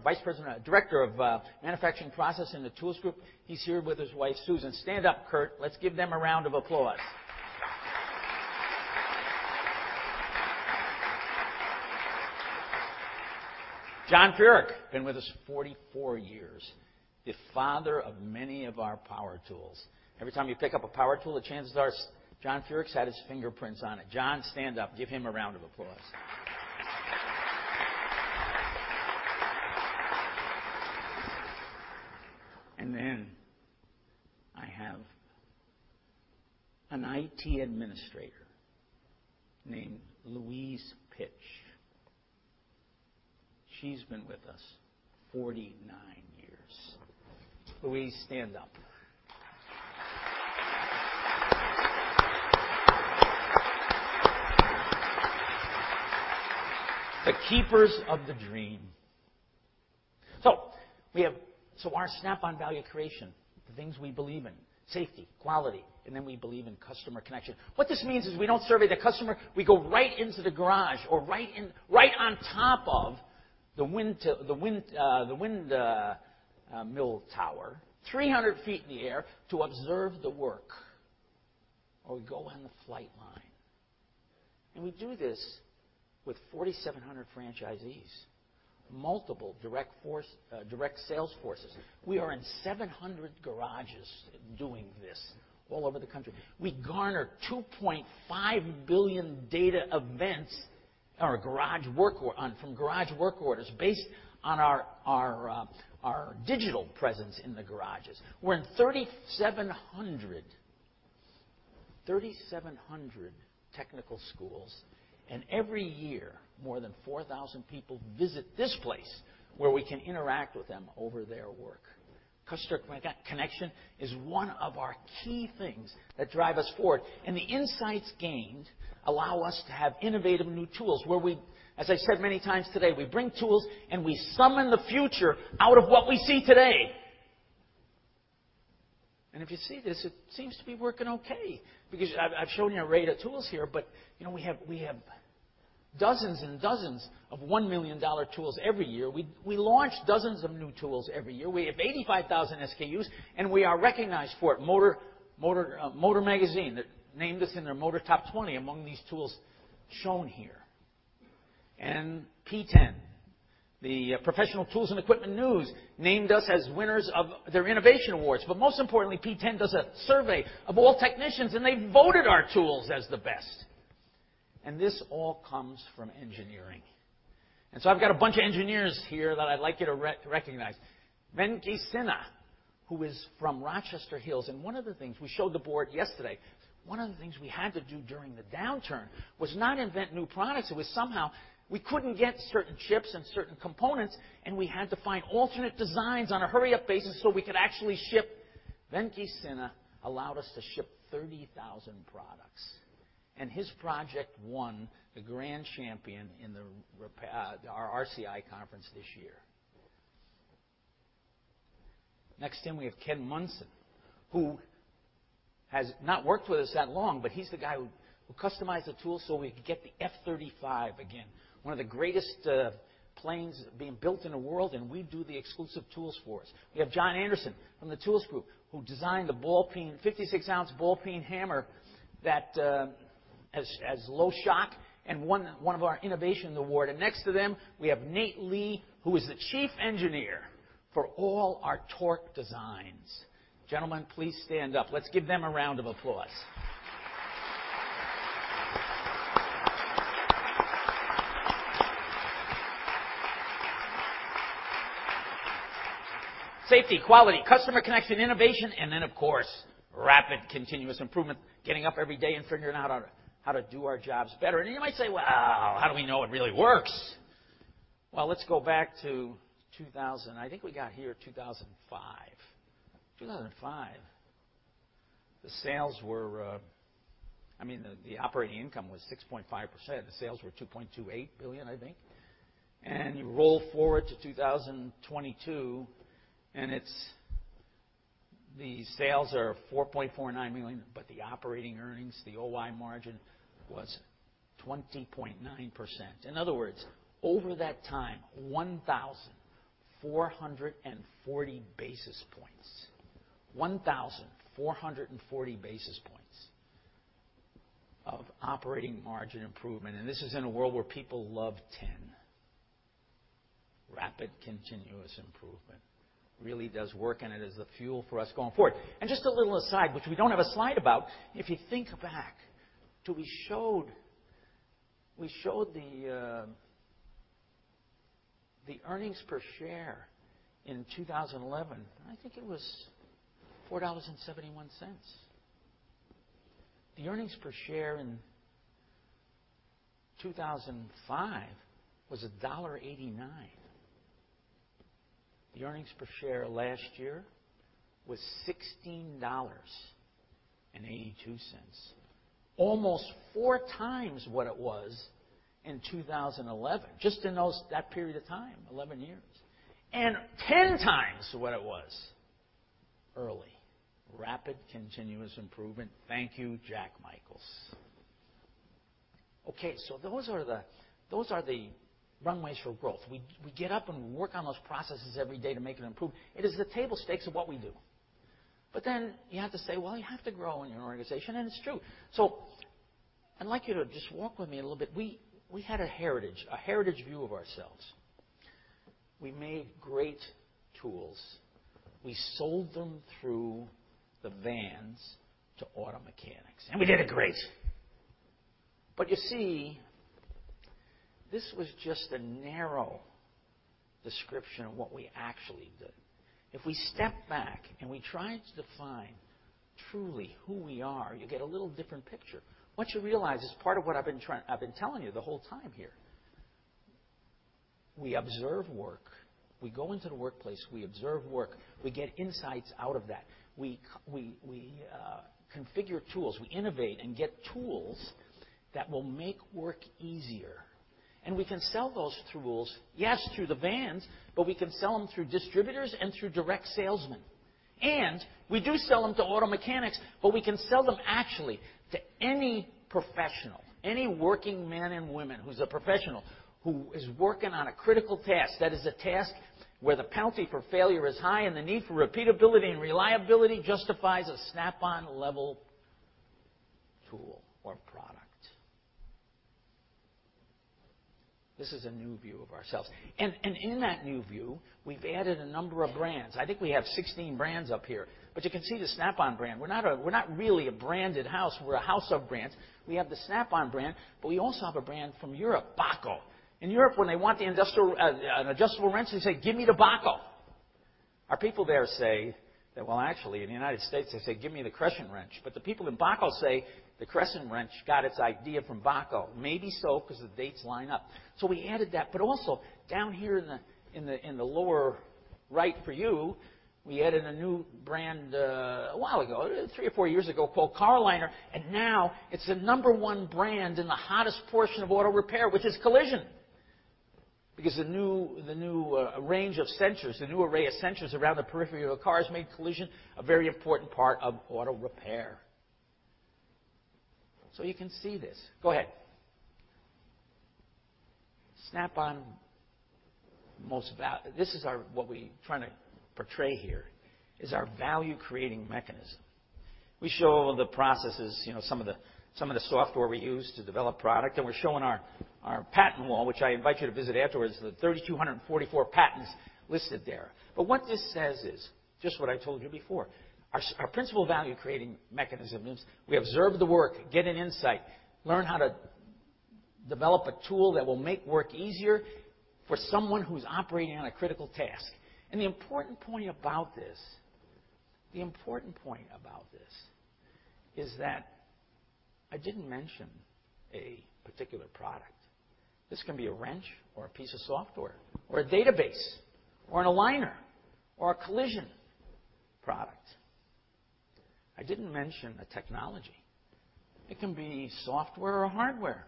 [SPEAKER 4] Vice President, Director of Manufacturing Process in the Tools Group. He's here with his wife, Susan. Stand up, Kurt. Let's give them a round of applause. John Furyk, been with us 44 years, the father of many of our power tools. Every time you pick up a power tool, the chances are John Furyk's had his fingerprints on it. John, stand up. Give him a round of applause. I have an IT administrator named Louise Pitch. She's been with us 49 years. Louise, stand up. The keepers of the dream. We have our Snap-on Value Creation, the things we believe in, safety, quality, and then we believe in customer connection. What this means is we do not survey the customer. We go right into the garage or right on top of the windmill tower, 300 feet in the air to observe the work. We go on the flight line. We do this with 4,700 franchisees, multiple direct sales forces. We are in 700 garages doing this all over the country. We garner $2.5 billion data events from garage work orders based on our digital presence in the garages. We are in 3,700 technical schools. Every year, more than 4,000 people visit this place where we can interact with them over their work. Customer connection is one of our key things that drive us forward. The insights gained allow us to have innovative new tools where we, as I said many times today, we bring tools and we summon the future out of what we see today. If you see this, it seems to be working okay. Because I've shown you a rate of tools here, but you know we have dozens and dozens of $1 million tools every year. We launch dozens of new tools every year. We have 85,000 SKUs. We are recognized for it. Motor magazine named us in their Motor Top 20 among these tools shown here. P10, the Professional Tools and Equipment News, named us as winners of their innovation awards. Most importantly, P10 does a survey of all technicians, and they voted our tools as the best. This all comes from engineering. I've got a bunch of engineers here that I'd like you to recognize. Ben Kicinna, who is from Rochester Hills. One of the things we showed the board yesterday, one of the things we had to do during the downturn was not invent new products. It was somehow we couldn't get certain chips and certain components, and we had to find alternate designs on a hurry-up basis so we could actually ship. Ben Kicinna allowed us to ship 30,000 products. His project won the Grand Champion in our RCI conference this year. Next in, we have Ken Munson, who has not worked with us that long, but he's the guy who customized the tools so we could get the F-35 again, one of the greatest planes being built in the world, and we do the exclusive tools for us. We have John Anderson from the tools group, who designed the 56-ounce ball peen hammer that has low shock and won one of our innovation awards. Next to them, we have Nate Lee, who is the Chief Engineer for all our torque designs. Gentlemen, please stand up. Let's give them a round of applause. Safety, quality, customer connection, innovation, and then, of course, rapid continuous improvement, getting up every day and figuring out how to do our jobs better. You might say, "How do we know it really works?" Go back to 2000. I think we got here 2005. In 2005, the sales were, I mean, the operating income was 6.5%. The sales were $2.28 billion, I think. You roll forward to 2022, and the sales are $4.49 billion, but the operating earnings, the OI margin was 20.9%. In other words, over that time, 1,440 basis points, 1,440 basis points of operating margin improvement. This is in a world where people love 10. Rapid continuous improvement really does work, and it is the fuel for us going forward. Just a little aside, which we do not have a slide about, if you think back, we showed the earnings per share in 2011. I think it was $4.71. The earnings per share in 2005 was $1.89. The earnings per share last year was $16.82, almost four times what it was in 2011, just in that period of time, 11 years. And 10 times what it was early. Rapid continuous improvement. Thank you, Jack Michaels. Okay, those are the Runways for Growth. We get up and we work on those processes every day to make it improve. It is the table stakes of what we do. You have to say, "You have to grow in your organization," and it's true. I'd like you to just walk with me a little bit. We had a heritage, a heritage view of ourselves. We made great tools. We sold them through the vans to auto mechanics. We did it great. This was just a narrow description of what we actually did. If we step back and try to define truly who we are, you get a little different picture. What you realize is part of what I've been telling you the whole time here. We observe work. We go into the workplace. We observe work. We get insights out of that. We configure tools. We innovate and get tools that will make work easier. We can sell those tools, yes, through the vans, but we can sell them through distributors and through direct salesmen. We do sell them to auto mechanics, but we can sell them actually to any professional, any working man and woman who's a professional, who is working on a critical task that is a task where the penalty for failure is high and the need for repeatability and reliability justifies a Snap-on level tool or product. This is a new view of ourselves. In that new view, we've added a number of brands. I think we have 16 brands up here. You can see the Snap-on brand. We're not really a branded house. We're a house of brands. We have the Snap-on brand, but we also have a brand from Europe, Baco. In Europe, when they want an adjustable wrench, they say, "Give me the Baco." Our people there say that, actually, in the United States, they say, "Give me the Crescent wrench." The people in Baco say the Crescent wrench got its idea from Baco. Maybe so because the dates line up. We added that. Down here in the lower right for you, we added a new brand a while ago, three or four years ago, called Carliner. Now it is the number one brand in the hottest portion of auto repair, which is collision. The new range of sensors, the new array of sensors around the periphery of a car, has made collision a very important part of auto repair. You can see this. Go ahead. Snap-on most value, this is what we are trying to portray here, is our value-creating mechanism. We show the processes, some of the software we use to develop product. We are showing our patent wall, which I invite you to visit afterwards, the 3,244 patents listed there. What this says is just what I told you before. Our principal value-creating mechanism is we observe the work, get an insight, learn how to develop a tool that will make work easier for someone who is operating on a critical task. The important point about this, the important point about this is that I did not mention a particular product. This can be a wrench or a piece of software or a database or an aligner or a collision product. I did not mention a technology. It can be software or hardware.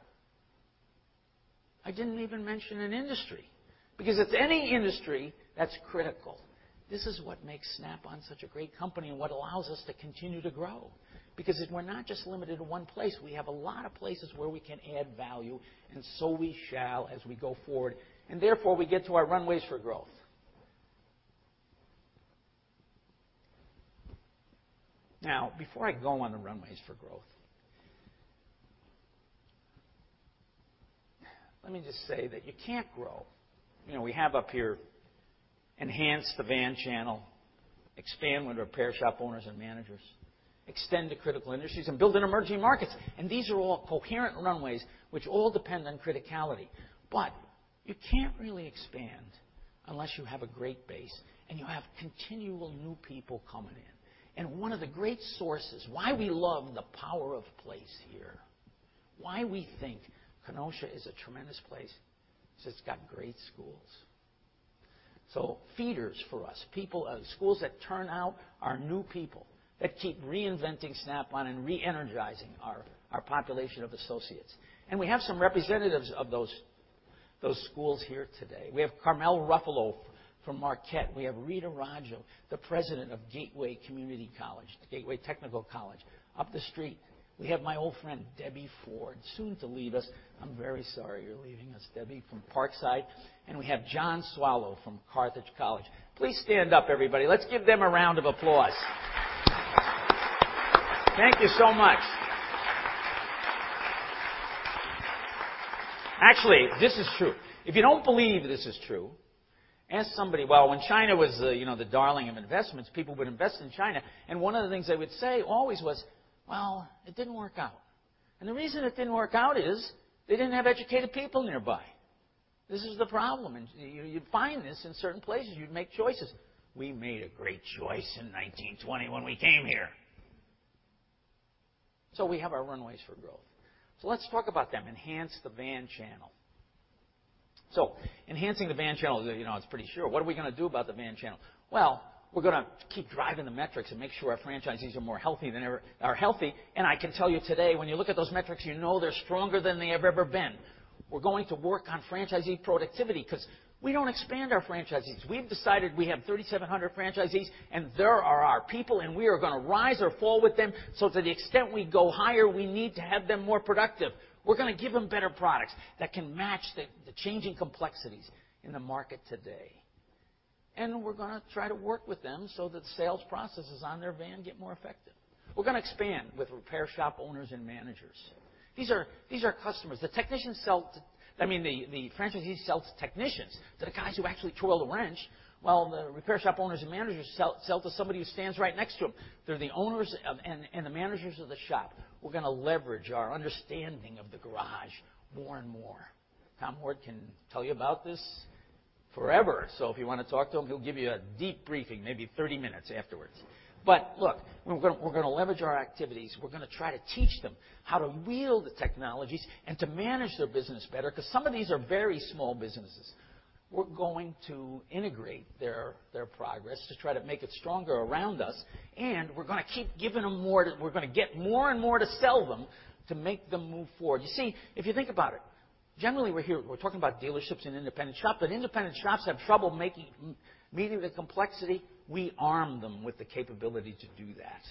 [SPEAKER 4] I did not even mention an industry. Because it is any industry that is critical. This is what makes Snap-on such a great company and what allows us to continue to grow. We are not just limited to one place. We have a lot of places where we can add value. We shall as we go forward. Therefore, we get to our Runways for Growth. Now, before I go on the Runways for Growth, let me just say that you cannot grow. We have up here, enhance the van channel, expand with repair shop owners and managers, extend to critical industries, and build in emerging markets. These are all coherent runways, which all depend on criticality. You cannot really expand unless you have a great base and you have continual new people coming in. One of the great sources, why we love the power of place here, why we think Kenosha is a tremendous place is it's got great schools. Feeders for us, schools that turn out our new people that keep reinventing Snap-on and re-energizing our population of associates. We have some representatives of those schools here today. We have Carmel Ruffalo from Marquette. We have Rita Roger, the president of Gateway Technical College, up the street. We have my old friend, Debbie Ford, soon to leave us. I'm very sorry you're leaving us, Debbie, from Parkside. We have John Swallow from Carthage College. Please stand up, everybody. Let's give them a round of applause. Thank you so much. Actually, this is true. If you don't believe this is true, ask somebody. When China was the darling of investments, people would invest in China. One of the things they would say always was, "Well, it didn't work out." The reason it didn't work out is they didn't have educated people nearby. This is the problem. You'd find this in certain places. You'd make choices. We made a great choice in 1920 when we came here. We have our Runways for Growth. Let's talk about them. Enhance the van channel. Enhancing the van channel, it's pretty sure. What are we going to do about the van channel? We're going to keep driving the metrics and make sure our franchisees are more healthy than ever. I can tell you today, when you look at those metrics, you know they're stronger than they have ever been. We're going to work on franchisee productivity because we don't expand our franchisees. We've decided we have 3,700 franchisees, and they are our people, and we are going to rise or fall with them. To the extent we go higher, we need to have them more productive. We're going to give them better products that can match the changing complexities in the market today. We're going to try to work with them so that the sales processes on their van get more effective. We're going to expand with repair shop owners and managers. These are customers. The technicians sell to, I mean, the franchisees sell to technicians, to the guys who actually toil the wrench. The repair shop owners and managers sell to somebody who stands right next to them. They're the owners and the managers of the shop. We're going to leverage our understanding of the garage more and more. Tom Ward can tell you about this forever. If you want to talk to him, he'll give you a deep briefing, maybe 30 minutes afterwards. Look, we're going to leverage our activities. We're going to try to teach them how to wield the technologies and to manage their business better because some of these are very small businesses. We're going to integrate their progress to try to make it stronger around us. We're going to keep giving them more. We're going to get more and more to sell them to make them move forward. You see, if you think about it, generally, we're talking about dealerships and independent shops. Independent shops have trouble meeting the complexity. We arm them with the capability to do that.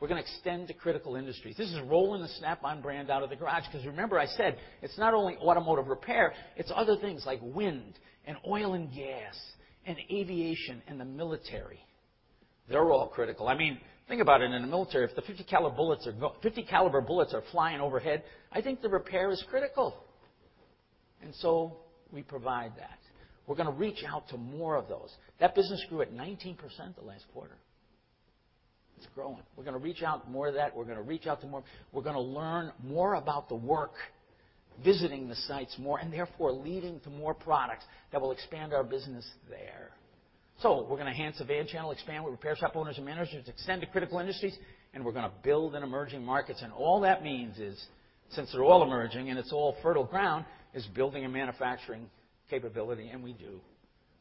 [SPEAKER 4] We're going to extend to critical industries. This is rolling the Snap-on brand out of the garage. Because remember, I said, it's not only automotive repair. It's other things like wind and oil and gas and aviation and the military. They're all critical. I mean, think about it. In the military, if the 50-caliber bullets are flying overhead, I think the repair is critical. And we provide that. We're going to reach out to more of those. That business grew at 19% the last quarter. It's growing. We're going to reach out to more of that. We're going to reach out to more. We're going to learn more about the work, visiting the sites more, and therefore leading to more products that will expand our business there. We are going to enhance the van channel, expand with repair shop owners and managers, extend to critical industries, and we are going to build in emerging markets. All that means is, since they're all emerging and it's all fertile ground, building a manufacturing capability.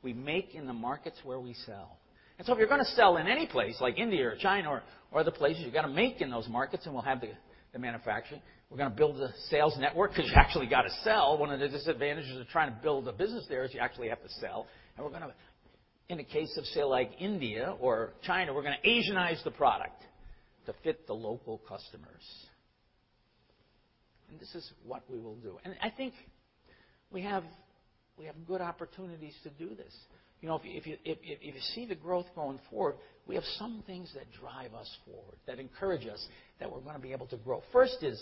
[SPEAKER 4] We make in the markets where we sell. If you're going to sell in any place, like India or China or other places, you've got to make in those markets, and we'll have the manufacturing. We're going to build the sales network because you actually got to sell. One of the disadvantages of trying to build a business there is you actually have to sell. In the case of, say, like India or China, we're going to Asianize the product to fit the local customers. This is what we will do. I think we have good opportunities to do this. If you see the growth going forward, we have some things that drive us forward, that encourage us that we're going to be able to grow. First is,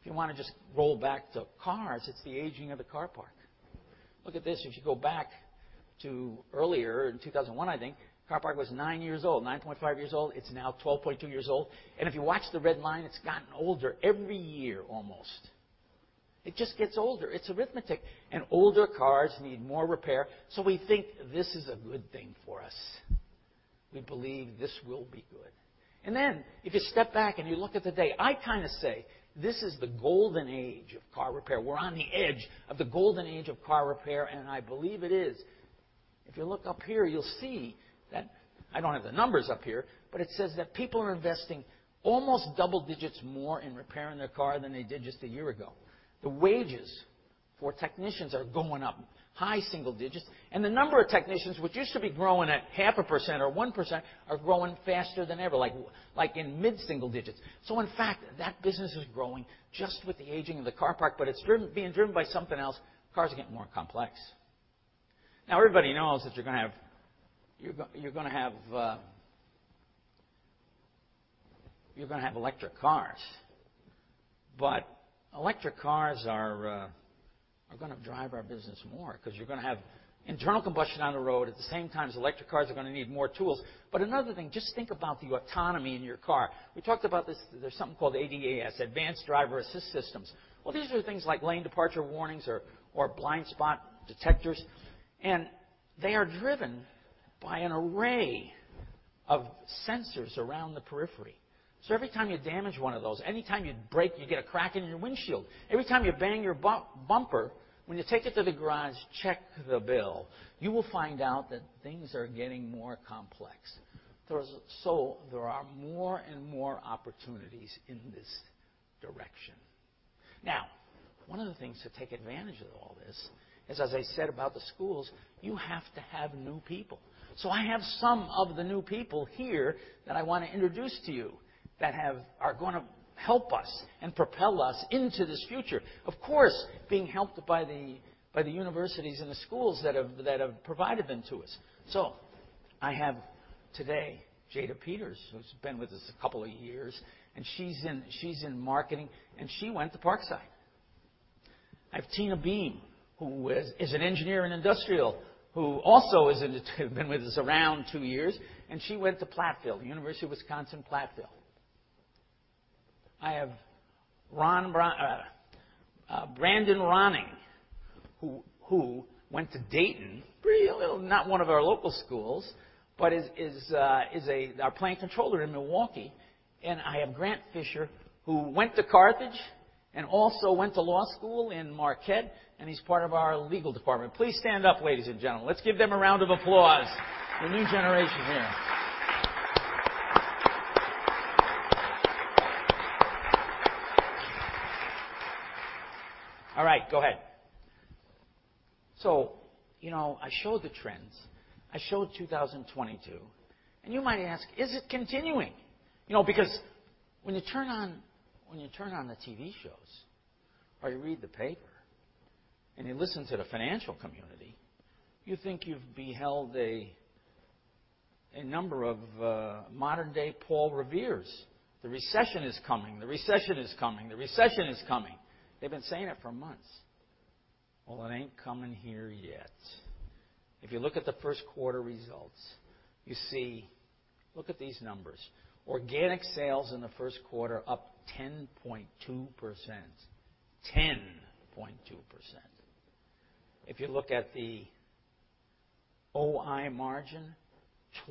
[SPEAKER 4] if you want to just roll back to cars, it's the aging of the car park. Look at this. If you go back to earlier, in 2001, I think, car park was 9 years old, 9.5 years old. It's now 12.2 years old. If you watch the red line, it's gotten older every year almost. It just gets older. It's arithmetic. Older cars need more repair. We think this is a good thing for us. We believe this will be good. If you step back and you look at the day, I kind of say this is the golden age of car repair. We're on the edge of the golden age of car repair. I believe it is. If you look up here, you'll see that I don't have the numbers up here, but it says that people are investing almost double digits more in repairing their car than they did just a year ago. The wages for technicians are going up high single digits. And the number of technicians, which used to be growing at 0.5% or 1%, are growing faster than ever, like in mid-single digits. So in fact, that business is growing just with the aging of the car park, but it's being driven by something else. Cars get more complex. Now, everybody knows that you're going to have electric cars. But electric cars are going to drive our business more because you're going to have internal combustion on the road at the same time as electric cars are going to need more tools. Another thing, just think about the autonomy in your car. We talked about this. There is something called ADAS, Advanced Driver Assist Systems. These are things like lane departure warnings or blind spot detectors. They are driven by an array of sensors around the periphery. Every time you damage one of those, anytime you break, you get a crack in your windshield. Every time you bang your bumper, when you take it to the garage, check the bill. You will find out that things are getting more complex. There are more and more opportunities in this direction. Now, one of the things to take advantage of all this is, as I said about the schools, you have to have new people. I have some of the new people here that I want to introduce to you that are going to help us and propel us into this future, of course, being helped by the universities and the schools that have provided them to us. I have today Jada Peters, who's been with us a couple of years, and she's in marketing, and she went to Parkside. I have Tina Beam, who is an engineer and industrial, who also has been with us around two years. She went to Platteville, University of Wisconsin Platteville. I have Brandon Ronning, who went to Dayton, not one of our local schools, but is our plant controller in Milwaukee. I have Grant Fisher, who went to Carthage and also went to law school in Marquette, and he's part of our legal department. Please stand up, ladies and gentlemen. Let's give them a round of applause, the new generation here. All right. Go ahead. I showed the trends. I showed 2022. You might ask, is it continuing? Because when you turn on the TV shows or you read the paper and you listen to the financial community, you think you've beheld a number of modern-day Paul Reveres. The recession is coming. The recession is coming. The recession is coming. They've been saying it for months. It ain't coming here yet. If you look at the first quarter results, you see, look at these numbers. Organic sales in the first quarter up 10.2%. 10.2%. If you look at the OI margin,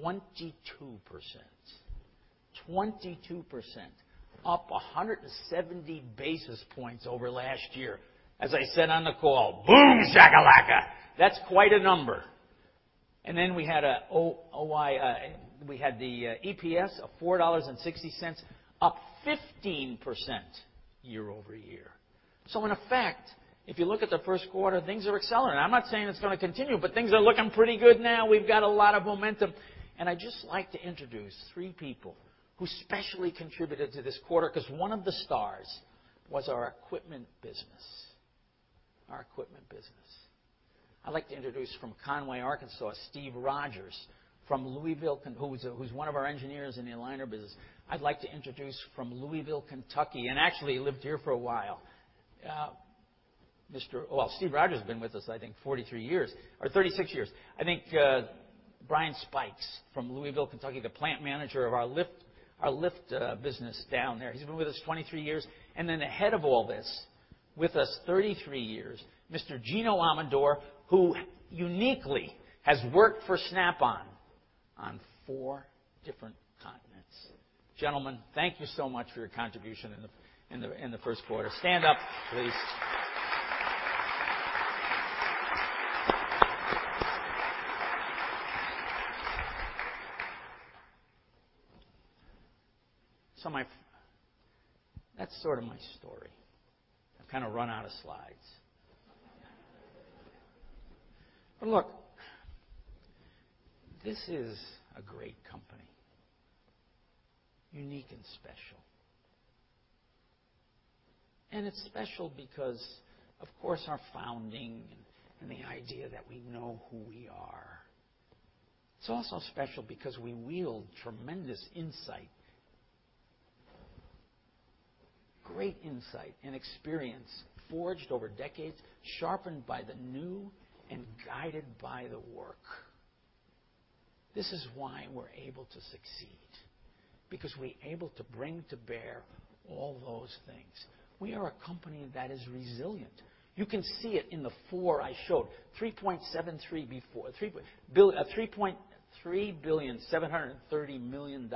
[SPEAKER 4] 22%. 22%. Up 170 basis points over last year. As I said on the call, boom, Jack-A-Laca. That's quite a number. Then we had the EPS of $4.60, up 15% year over year. In effect, if you look at the first quarter, things are accelerating. I'm not saying it's going to continue, but things are looking pretty good now. We've got a lot of momentum. I'd just like to introduce three people who specially contributed to this quarter because one of the stars was our equipment business. Our equipment business. I'd like to introduce from Conway, Arkansas, Steve Rogers, from Louisville, who's one of our engineers in the liner business. I'd like to introduce from Louisville, Kentucky, and actually lived here for a while. Steve Rogers has been with us, I think, 43 years or 36 years. I think Brian Spikes from Louisville, Kentucky, the plant manager of our lift business down there. He's been with us 23 years. And then ahead of all this, with us 33 years, Mr. Gino Amador, who uniquely has worked for Snap-on on four different continents. Gentlemen, thank you so much for your contribution in the first quarter. Stand up, please. That is sort of my story. I have kind of run out of slides. Look, this is a great company. Unique and special. It is special because, of course, our founding and the idea that we know who we are. It is also special because we wield tremendous insight, great insight and experience forged over decades, sharpened by the new and guided by the work. This is why we are able to succeed. Because we are able to bring to bear all those things. We are a company that is resilient. You can see it in the four I showed. $3.73 billion, $730 million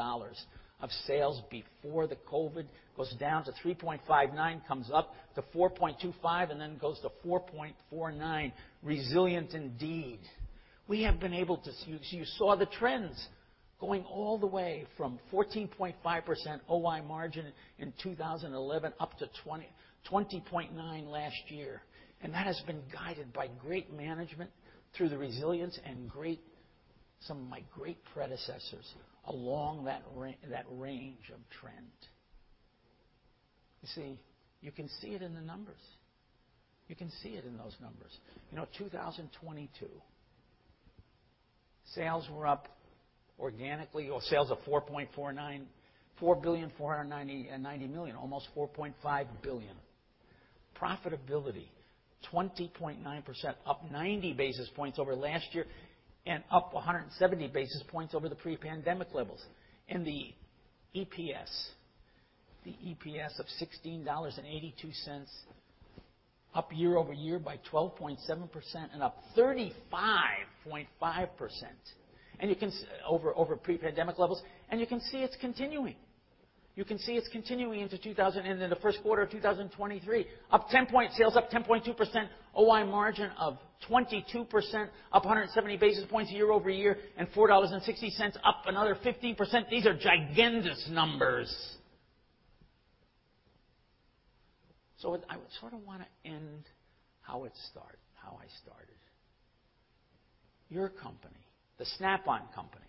[SPEAKER 4] of sales before the COVID goes down to $3.59 billion, comes up to $4.25 billion, and then goes to $4.49 billion. Resilient indeed. We have been able to, you saw the trends going all the way from 14.5% OI margin in 2011 up to 20.9% last year. That has been guided by great management through the resilience and some of my great predecessors along that range of trend. You see, you can see it in the numbers. You can see it in those numbers. In 2022, sales were up organically. Sales of $4.49 billion, $4 billion, $490 million, almost $4.5 billion. Profitability, 20.9%, up 90 basis points over last year and up 170 basis points over the pre-pandemic levels. The EPS, the EPS of $16.82, up year over year by 12.7% and up 35.5% over pre-pandemic levels. You can see it is continuing. You can see it is continuing into 2000 and into the first quarter of 2023. Sales up 10.2%, OI margin of 22%, up 170 basis points year over year, and $4.60, up another 15%. These are gigantic numbers. I would sort of want to end how I started. Your company, the Snap-on company,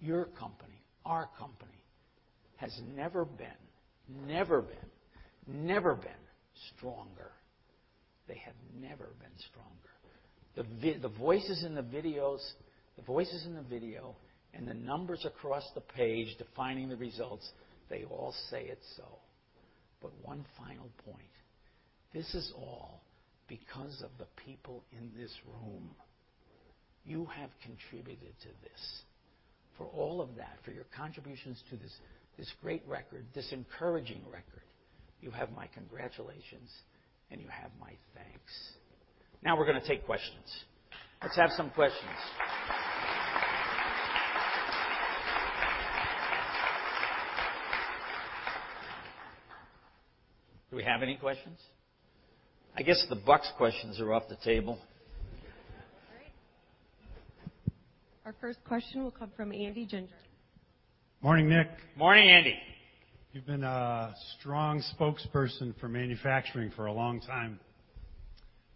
[SPEAKER 4] your company, our company has never been, never been, never been stronger. They have never been stronger. The voices in the videos, the voices in the video, and the numbers across the page defining the results, they all say it so. One final point. This is all because of the people in this room. You have contributed to this. For all of that, for your contributions to this great record, this encouraging record, you have my congratulations, and you have my thanks. Now we're going to take questions. Let's have some questions. Do we have any questions? I guess the Bucks questions are off the table.
[SPEAKER 3] All right. Our first question will come from Andy Ginger.
[SPEAKER 4] Morning, Nick.
[SPEAKER 5] Morning, Andy.
[SPEAKER 4] You've been a strong spokesperson for manufacturing for a long time.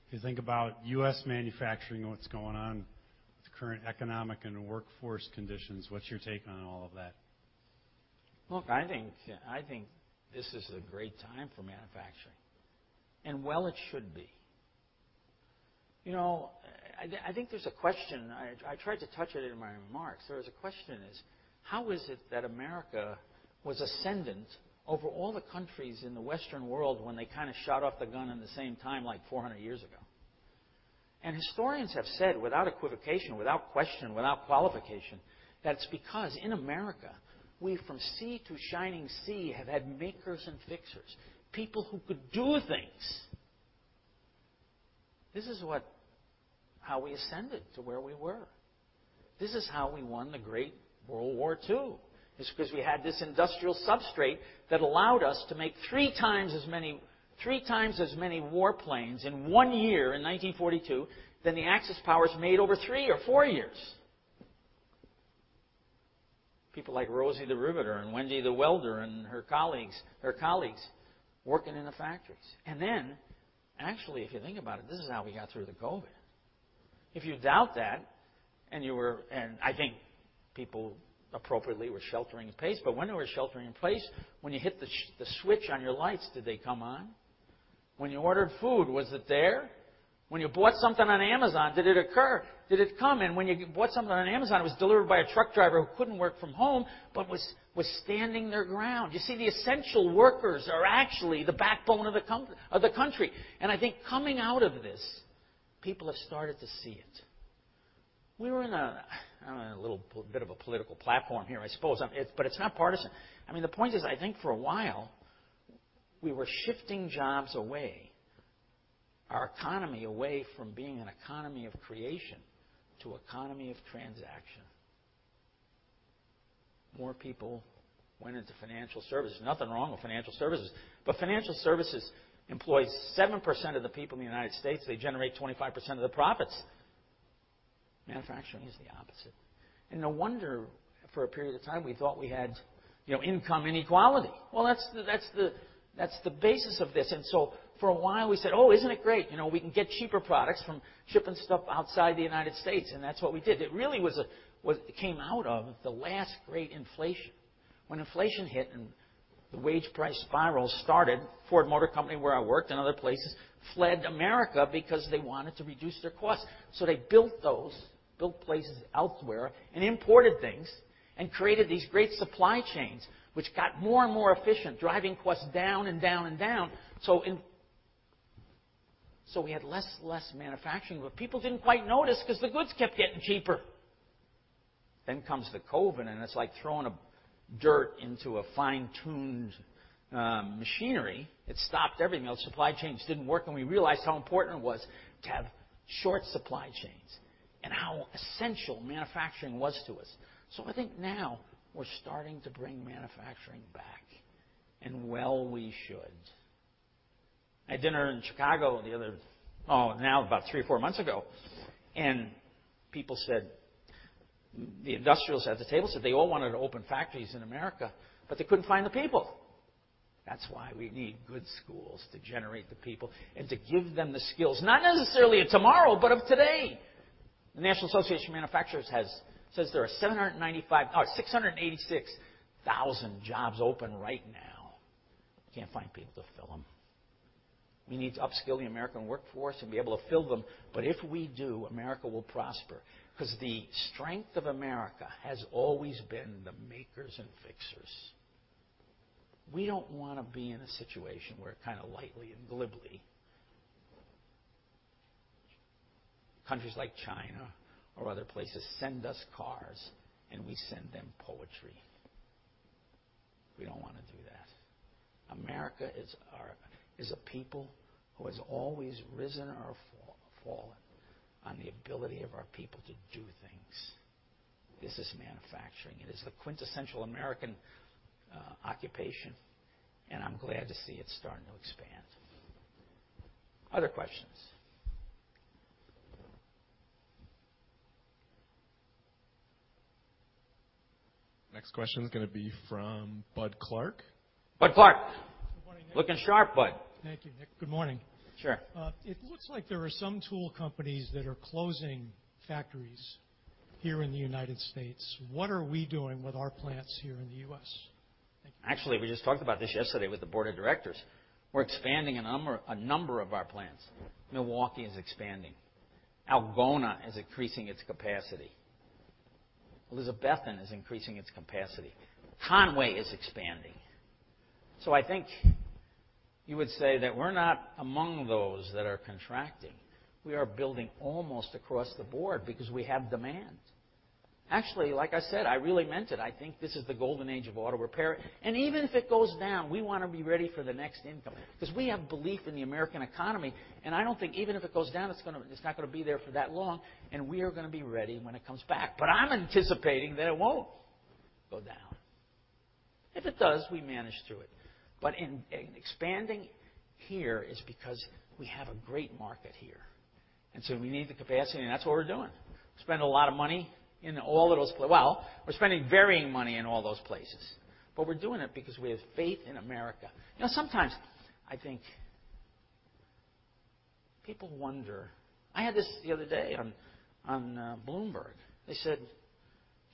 [SPEAKER 4] If you think about U.S. manufacturing and what's going on with the current economic and workforce conditions, what's your take on all of that?
[SPEAKER 5] Look, I think this is a great time for manufacturing. And it should be. I think there's a question. I tried to touch it in my remarks. There is a question is, how is it that America was ascendant over all the countries in the Western world when they kind of shot off the gun at the same time like 400 years ago? And historians have said, without equivocation, without question, without qualification, that it's because in America, we from sea to shining sea have had makers and fixers, people who could do things. This is how we ascended to where we were. This is how we won the great World War II. It's because we had this industrial substrate that allowed us to make three times as many warplanes in one year in 1942 than the Axis powers made over three or four years. People like Rosie the Riveter and Wendy the Welder and her colleagues working in the factories. Actually, if you think about it, this is how we got through the COVID. If you doubt that, and I think people appropriately were sheltering in place, but when they were sheltering in place, when you hit the switch on your lights, did they come on? When you ordered food, was it there? When you bought something on Amazon, did it occur? Did it come? When you bought something on Amazon, it was delivered by a truck driver who could not work from home but was standing their ground. You see, the essential workers are actually the backbone of the country. I think coming out of this, people have started to see it. We were in a little bit of a political platform here, I suppose, but it is not partisan. I mean, the point is, I think for a while, we were shifting jobs away, our economy away from being an economy of creation to an economy of transaction. More people went into financial services. Nothing wrong with financial services. But financial services employ 7% of the people in the U.S. They generate 25% of the profits. Manufacturing is the opposite. No wonder for a period of time we thought we had income inequality. That is the basis of this. For a while, we said, "Oh, isn't it great? We can get cheaper products from shipping stuff outside the United States." That is what we did. It really came out of the last great inflation. When inflation hit and the wage price spiral started, Ford Motor Company, where I worked and other places, fled America because they wanted to reduce their costs. They built those, built places elsewhere, and imported things and created these great supply chains, which got more and more efficient, driving costs down and down and down. We had less and less manufacturing. People did not quite notice because the goods kept getting cheaper. Then comes the COVID, and it is like throwing dirt into a fine-tuned machinery. It stopped everything. Those supply chains did not work. We realized how important it was to have short supply chains and how essential manufacturing was to us. I think now we are starting to bring manufacturing back. We should. I had dinner in Chicago the other night about three or four months ago. The industrials at the table said they all wanted to open factories in America, but they could not find the people. That's why we need good schools to generate the people and to give them the skills, not necessarily of tomorrow, but of today. The National Association of Manufacturers says there are 686,000 jobs open right now. We can't find people to fill them. We need to upskill the American workforce and be able to fill them. If we do, America will prosper. Because the strength of America has always been the makers and fixers. We don't want to be in a situation where kind of lightly and glibly countries like China or other places send us cars and we send them poetry. We don't want to do that. America is a people who has always risen or fallen on the ability of our people to do things. This is manufacturing. It is the quintessential American occupation. I'm glad to see it starting to expand. Other questions? Next question is going to be from Bud Clark. Bud Clark. Looking sharp, Bud. Thank you. Good morning. It looks like there are some tool companies that are closing factories here in the U.S. What are we doing with our plants here in the U.S.? Actually, we just talked about this yesterday with the board of directors. We're expanding a number of our plants. Milwaukee is expanding. Algona is increasing its capacity. Elizabethton is increasing its capacity. Conway is expanding. I think you would say that we're not among those that are contracting. We are building almost across the board because we have demand. Actually, like I said, I really meant it. I think this is the golden age of auto repair. Even if it goes down, we want to be ready for the next income. Because we have belief in the American economy. I don't think even if it goes down, it's not going to be there for that long. We are going to be ready when it comes back. I'm anticipating that it won't go down. If it does, we manage through it. Expanding here is because we have a great market here. We need the capacity. That is what we are doing. We spend a lot of money in all of those places. We are spending varying money in all those places. We are doing it because we have faith in America. Sometimes, I think people wonder. I had this the other day on Bloomberg. They said,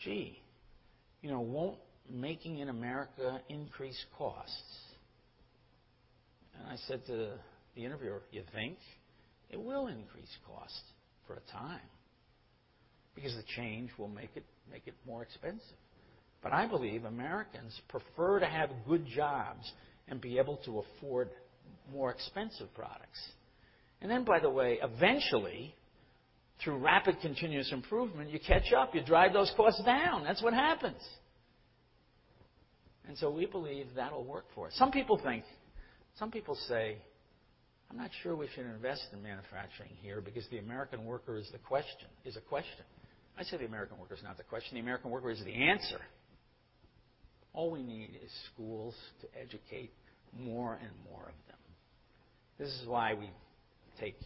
[SPEAKER 5] "Gee, will not making in America increase costs?" I said to the interviewer, "You think? It will increase costs for a time because the change will make it more expensive." I believe Americans prefer to have good jobs and be able to afford more expensive products. By the way, eventually, through rapid continuous improvement, you catch up. You drive those costs down. That is what happens. We believe that will work for us. Some people say, "I'm not sure we should invest in manufacturing here because the American worker is a question." I say the American worker is not the question. The American worker is the answer. All we need is schools to educate more and more of them. This is why we take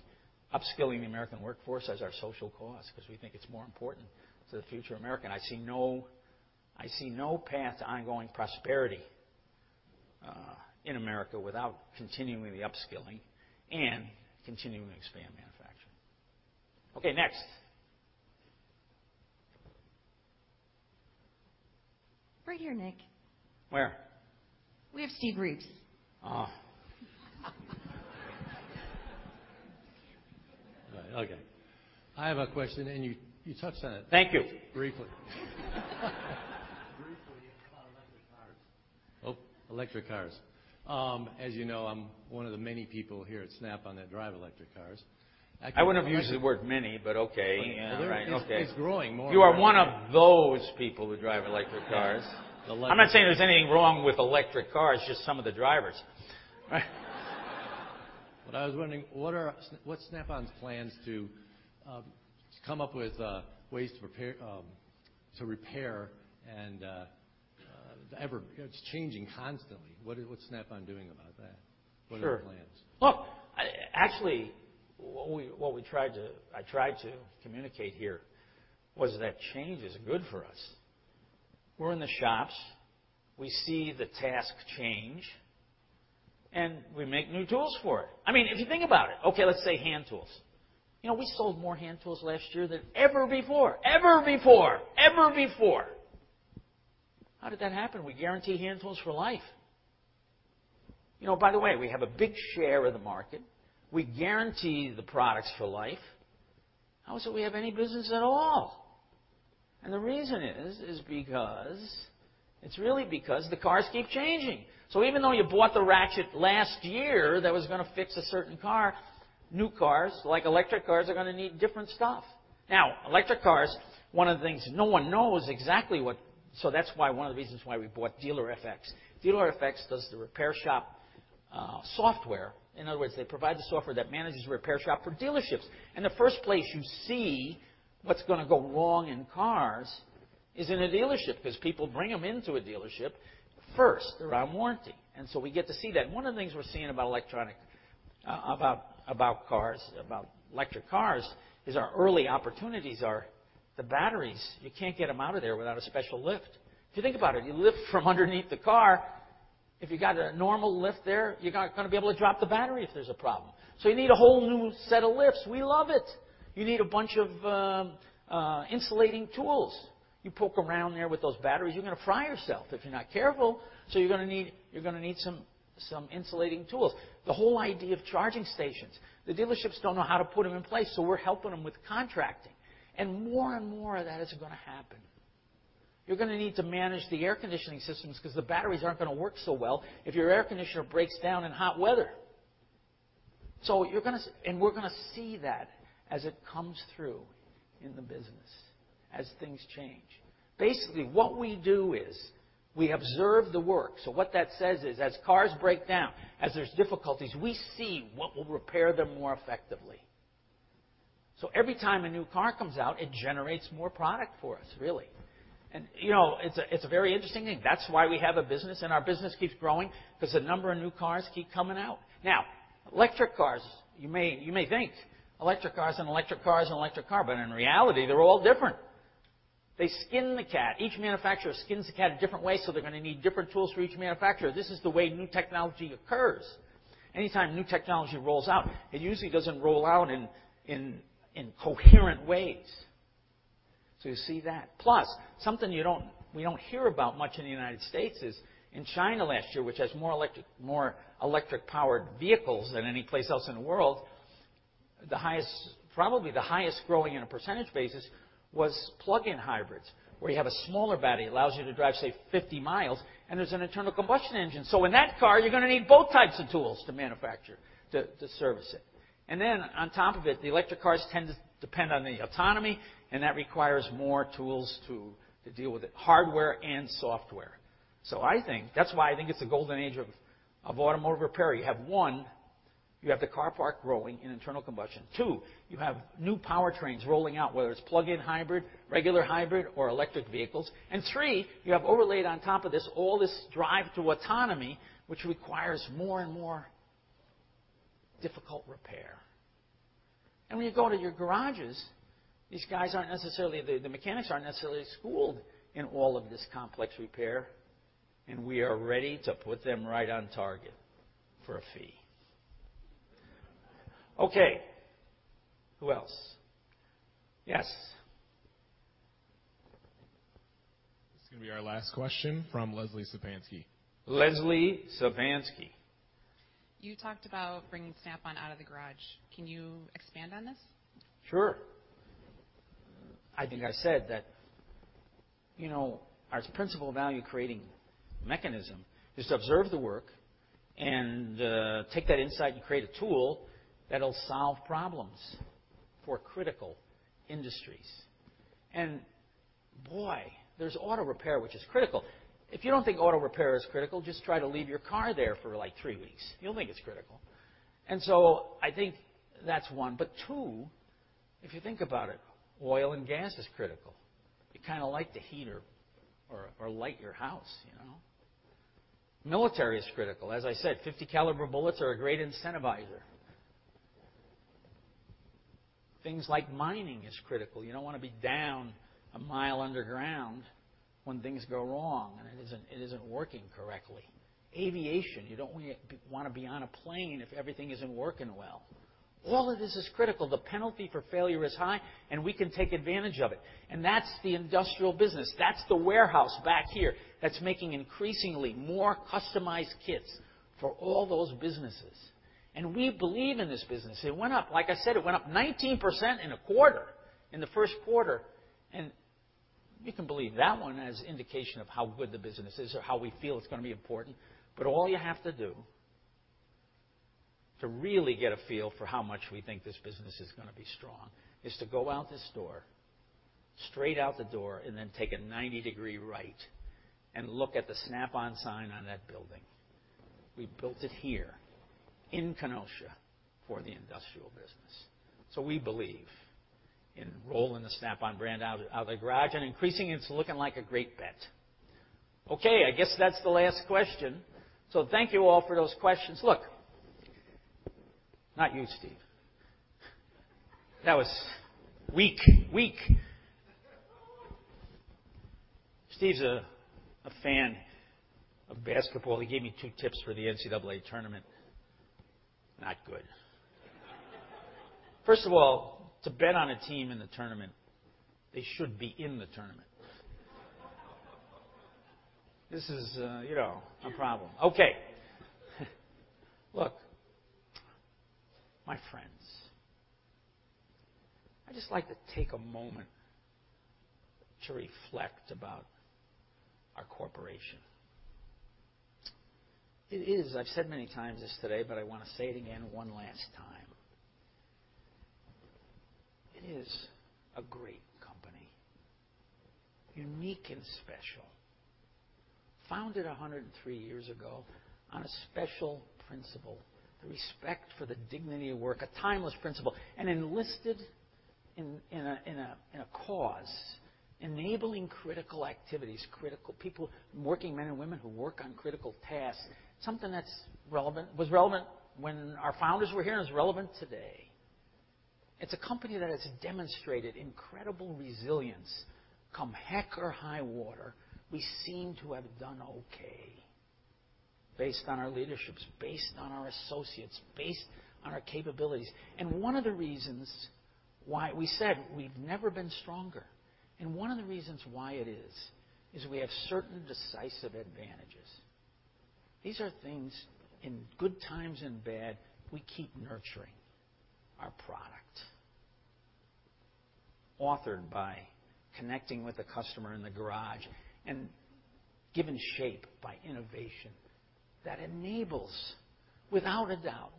[SPEAKER 5] upskilling the American workforce as our social cause because we think it's more important to the future American. I see no path to ongoing prosperity in America without continuing the upskilling and continuing to expand manufacturing. Okay, next.
[SPEAKER 3] Right here, Nick.
[SPEAKER 5] Where?
[SPEAKER 3] We have Steve Reeves.
[SPEAKER 5] Oh. Okay. I have a question, and you touched on it. Thank you. Briefly.
[SPEAKER 4] Briefly about electric cars.
[SPEAKER 5] Oh, electric cars. As you know, I'm one of the many people here at Snap-on that drive electric cars.
[SPEAKER 4] I wouldn't have used the word many, but okay.
[SPEAKER 5] It's growing more.
[SPEAKER 4] You are one of those people who drive electric cars. I'm not saying there's anything wrong with electric cars, just some of the drivers.
[SPEAKER 5] I was wondering, what's Snap-on's plans to come up with ways to repair and ever? It's changing constantly. What's Snap-on doing about that? What are the plans?
[SPEAKER 4] Look, actually, what I tried to communicate here was that change is good for us. We're in the shops. We see the task change, and we make new tools for it. I mean, if you think about it, okay, let's say hand tools. We sold more hand tools last year than ever before. How did that happen? We guarantee hand tools for life. By the way, we have a big share of the market. We guarantee the products for life. How is it we have any business at all? The reason is because it's really because the cars keep changing. Even though you bought the ratchet last year that was going to fix a certain car, new cars like electric cars are going to need different stuff. Now, electric cars, one of the things no one knows exactly what, so that's one of the reasons why we bought DealerFX. DealerFX does the repair shop software. In other words, they provide the software that manages the repair shop for dealerships. The first place you see what's going to go wrong in cars is in a dealership because people bring them into a dealership first around warranty. We get to see that. One of the things we're seeing about electric cars is our early opportunities are the batteries. You can't get them out of there without a special lift. If you think about it, you lift from underneath the car. If you got a normal lift there, you're not going to be able to drop the battery if there's a problem. You need a whole new set of lifts. We love it. You need a bunch of insulating tools. You poke around there with those batteries, you're going to fry yourself if you're not careful. You're going to need some insulating tools. The whole idea of charging stations, the dealerships don't know how to put them in place. We're helping them with contracting. More and more of that is going to happen. You're going to need to manage the air conditioning systems because the batteries aren't going to work so well if your air conditioner breaks down in hot weather. We're going to see that as it comes through in the business, as things change. Basically, what we do is we observe the work. What that says is, as cars break down, as there's difficulties, we see what will repair them more effectively. Every time a new car comes out, it generates more product for us, really. It is a very interesting thing. That is why we have a business. Our business keeps growing because the number of new cars keep coming out. Now, electric cars, you may think electric car and electric car and electric car, but in reality, they are all different. They skin the cat. Each manufacturer skins the cat in different ways. They are going to need different tools for each manufacturer. This is the way new technology occurs. Anytime new technology rolls out, it usually does not roll out in coherent ways. You see that. Plus, something we do not hear about much in the United States is in China last year, which has more electric-powered vehicles than any place else in the world, probably the highest growing on a % basis was plug-in hybrids, where you have a smaller battery that allows you to drive, say, 50 mi, and there is an internal combustion engine. In that car, you are going to need both types of tools to manufacture, to service it. On top of it, the electric cars tend to depend on the autonomy, and that requires more tools to deal with it, hardware and software. That is why I think it is the golden age of automotive repair. You have one, you have the car park growing in internal combustion. Two, you have new powertrains rolling out, whether it is plug-in hybrid, regular hybrid, or electric vehicles. You have overlaid on top of this all this drive to autonomy, which requires more and more difficult repair. When you go to your garages, these guys, the mechanics, aren't necessarily schooled in all of this complex repair. We are ready to put them right on target for a fee. Okay. Who else? Yes.
[SPEAKER 5] This is going to be our last question from Leslie Sapansky. Leslie Sapansky.
[SPEAKER 3] You talked about bringing Snap-on out of the garage. Can you expand on this?
[SPEAKER 5] Sure. I think I said that our principal value creating mechanism is to observe the work and take that insight and create a tool that'll solve problems for critical industries. Boy, there's auto repair, which is critical. If you don't think auto repair is critical, just try to leave your car there for like three weeks. You'll think it's critical. I think that's one. If you think about it, oil and gas is critical. You kind of like to heat or light your house. Military is critical. As I said, 50-caliber bullets are a great incentivizer. Things like mining are critical. You don't want to be down a mile underground when things go wrong and it isn't working correctly. Aviation, you don't want to be on a plane if everything isn't working well. All of this is critical. The penalty for failure is high, and we can take advantage of it. That is the industrial business. That is the warehouse back here that is making increasingly more customized kits for all those businesses. We believe in this business. Like I said, it went up 19% in a quarter, in the first quarter. You can believe that one as an indication of how good the business is or how we feel it is going to be important. All you have to do to really get a feel for how much we think this business is going to be strong is to go out the store, straight out the door, and then take a 90-degree right and look at the Snap-on sign on that building. We built it here in Kenosha for the industrial business. We believe in rolling the Snap-on brand out of the garage and increasing it to looking like a great bet. Okay, I guess that's the last question. Thank you all for those questions. Look. Not you, Steve. That was weak. Weak. Steve's a fan of basketball. He gave me two tips for the NCAA tournament. Not good. First of all, to bet on a team in the tournament, they should be in the tournament. This is a problem. Okay. Look, my friends, I'd just like to take a moment to reflect about our corporation. It is, I've said many times this today, but I want to say it again one last time. It is a great company. Unique and special. Founded 103 years ago on a special principle, the respect for the dignity of work, a timeless principle, and enlisted in a cause enabling critical activities, critical people, working men and women who work on critical tasks. Something that was relevant when our founders were here and is relevant today. It's a company that has demonstrated incredible resilience come heck or high water. We seem to have done okay based on our leaderships, based on our associates, based on our capabilities. One of the reasons why we said we've never been stronger. One of the reasons why it is is we have certain decisive advantages. These are things in good times and bad, we keep nurturing our product. Authored by connecting with the customer in the garage and given shape by innovation that enables, without a doubt,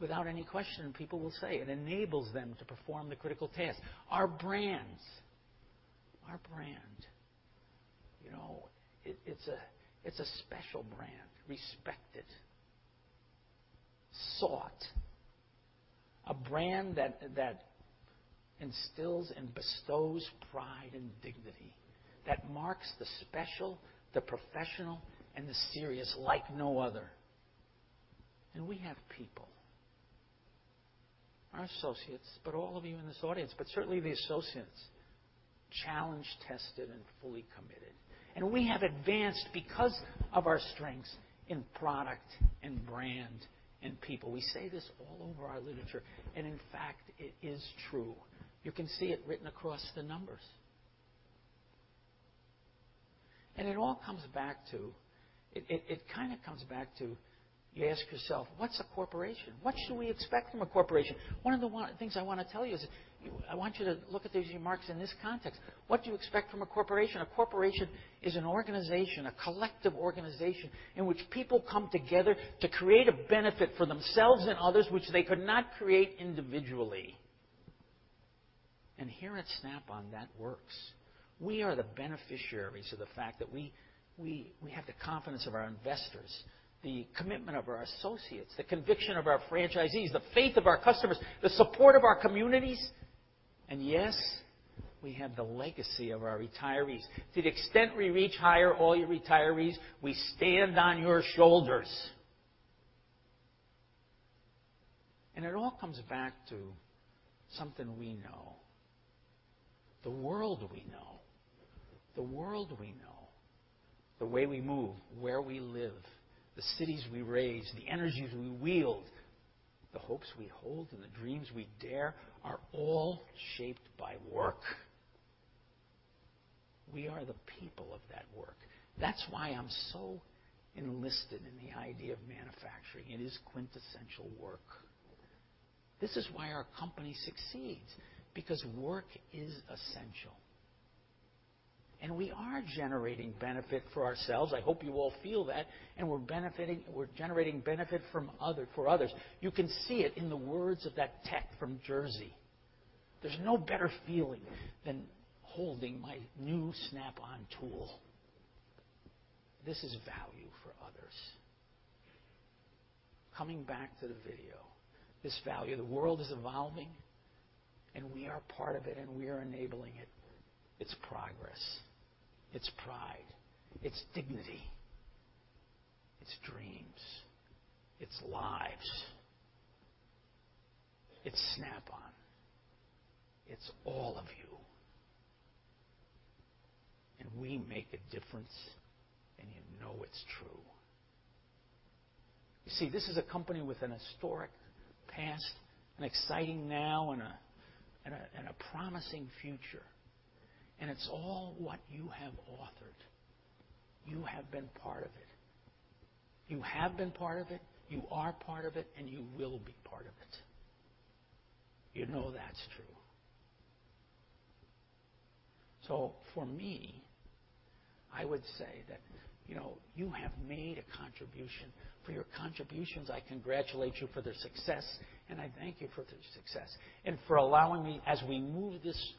[SPEAKER 5] without any question, people will say it enables them to perform the critical tasks. Our brand, it's a special brand. Respect it. Sought. A brand that instills and bestows pride and dignity that marks the special, the professional, and the serious like no other. We have people, our associates, but all of you in this audience, but certainly the associates, challenged, tested, and fully committed. We have advanced because of our strengths in product and brand and people. We say this all over our literature. In fact, it is true. You can see it written across the numbers. It all comes back to it kind of comes back to you ask yourself, what's a corporation? What should we expect from a corporation? One of the things I want to tell you is I want you to look at these remarks in this context. What do you expect from a corporation? A corporation is an organization, a collective organization in which people come together to create a benefit for themselves and others, which they could not create individually. Here at Snap-on, that works. We are the beneficiaries of the fact that we have the confidence of our investors, the commitment of our associates, the conviction of our franchisees, the faith of our customers, the support of our communities. Yes, we have the legacy of our retirees. To the extent we reach higher all your retirees, we stand on your shoulders. It all comes back to something we know. The world we know. The world we know. The way we move, where we live, the cities we raise, the energies we wield, the hopes we hold, and the dreams we dare are all shaped by work. We are the people of that work. That is why I'm so enlisted in the idea of manufacturing. It is quintessential work. This is why our company succeeds, because work is essential. And we are generating benefit for ourselves. I hope you all feel that. And we're generating benefit for others. You can see it in the words of that tech from Jersey. There's no better feeling than holding my new Snap-on tool. This is value for others. Coming back to the video, this value, the world is evolving, and we are part of it, and we are enabling it. It's progress. It's pride. It's dignity. It's dreams. It's lives. It's Snap-on. It's all of you. We make a difference, and you know it's true. You see, this is a company with an historic past, an exciting now, and a promising future. It's all what you have authored. You have been part of it. You are part of it, and you will be part of it. You know that's true. For me, I would say that you have made a contribution. For your contributions, I congratulate you for their success, and I thank you for their success. For allowing me, as we move this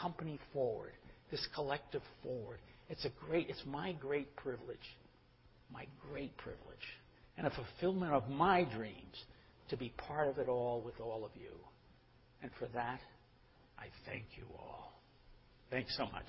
[SPEAKER 5] company forward, this collective forward, it's my great privilege. My great privilege and a fulfillment of my dreams to be part of it all with all of you. For that, I thank you all. Thanks so much.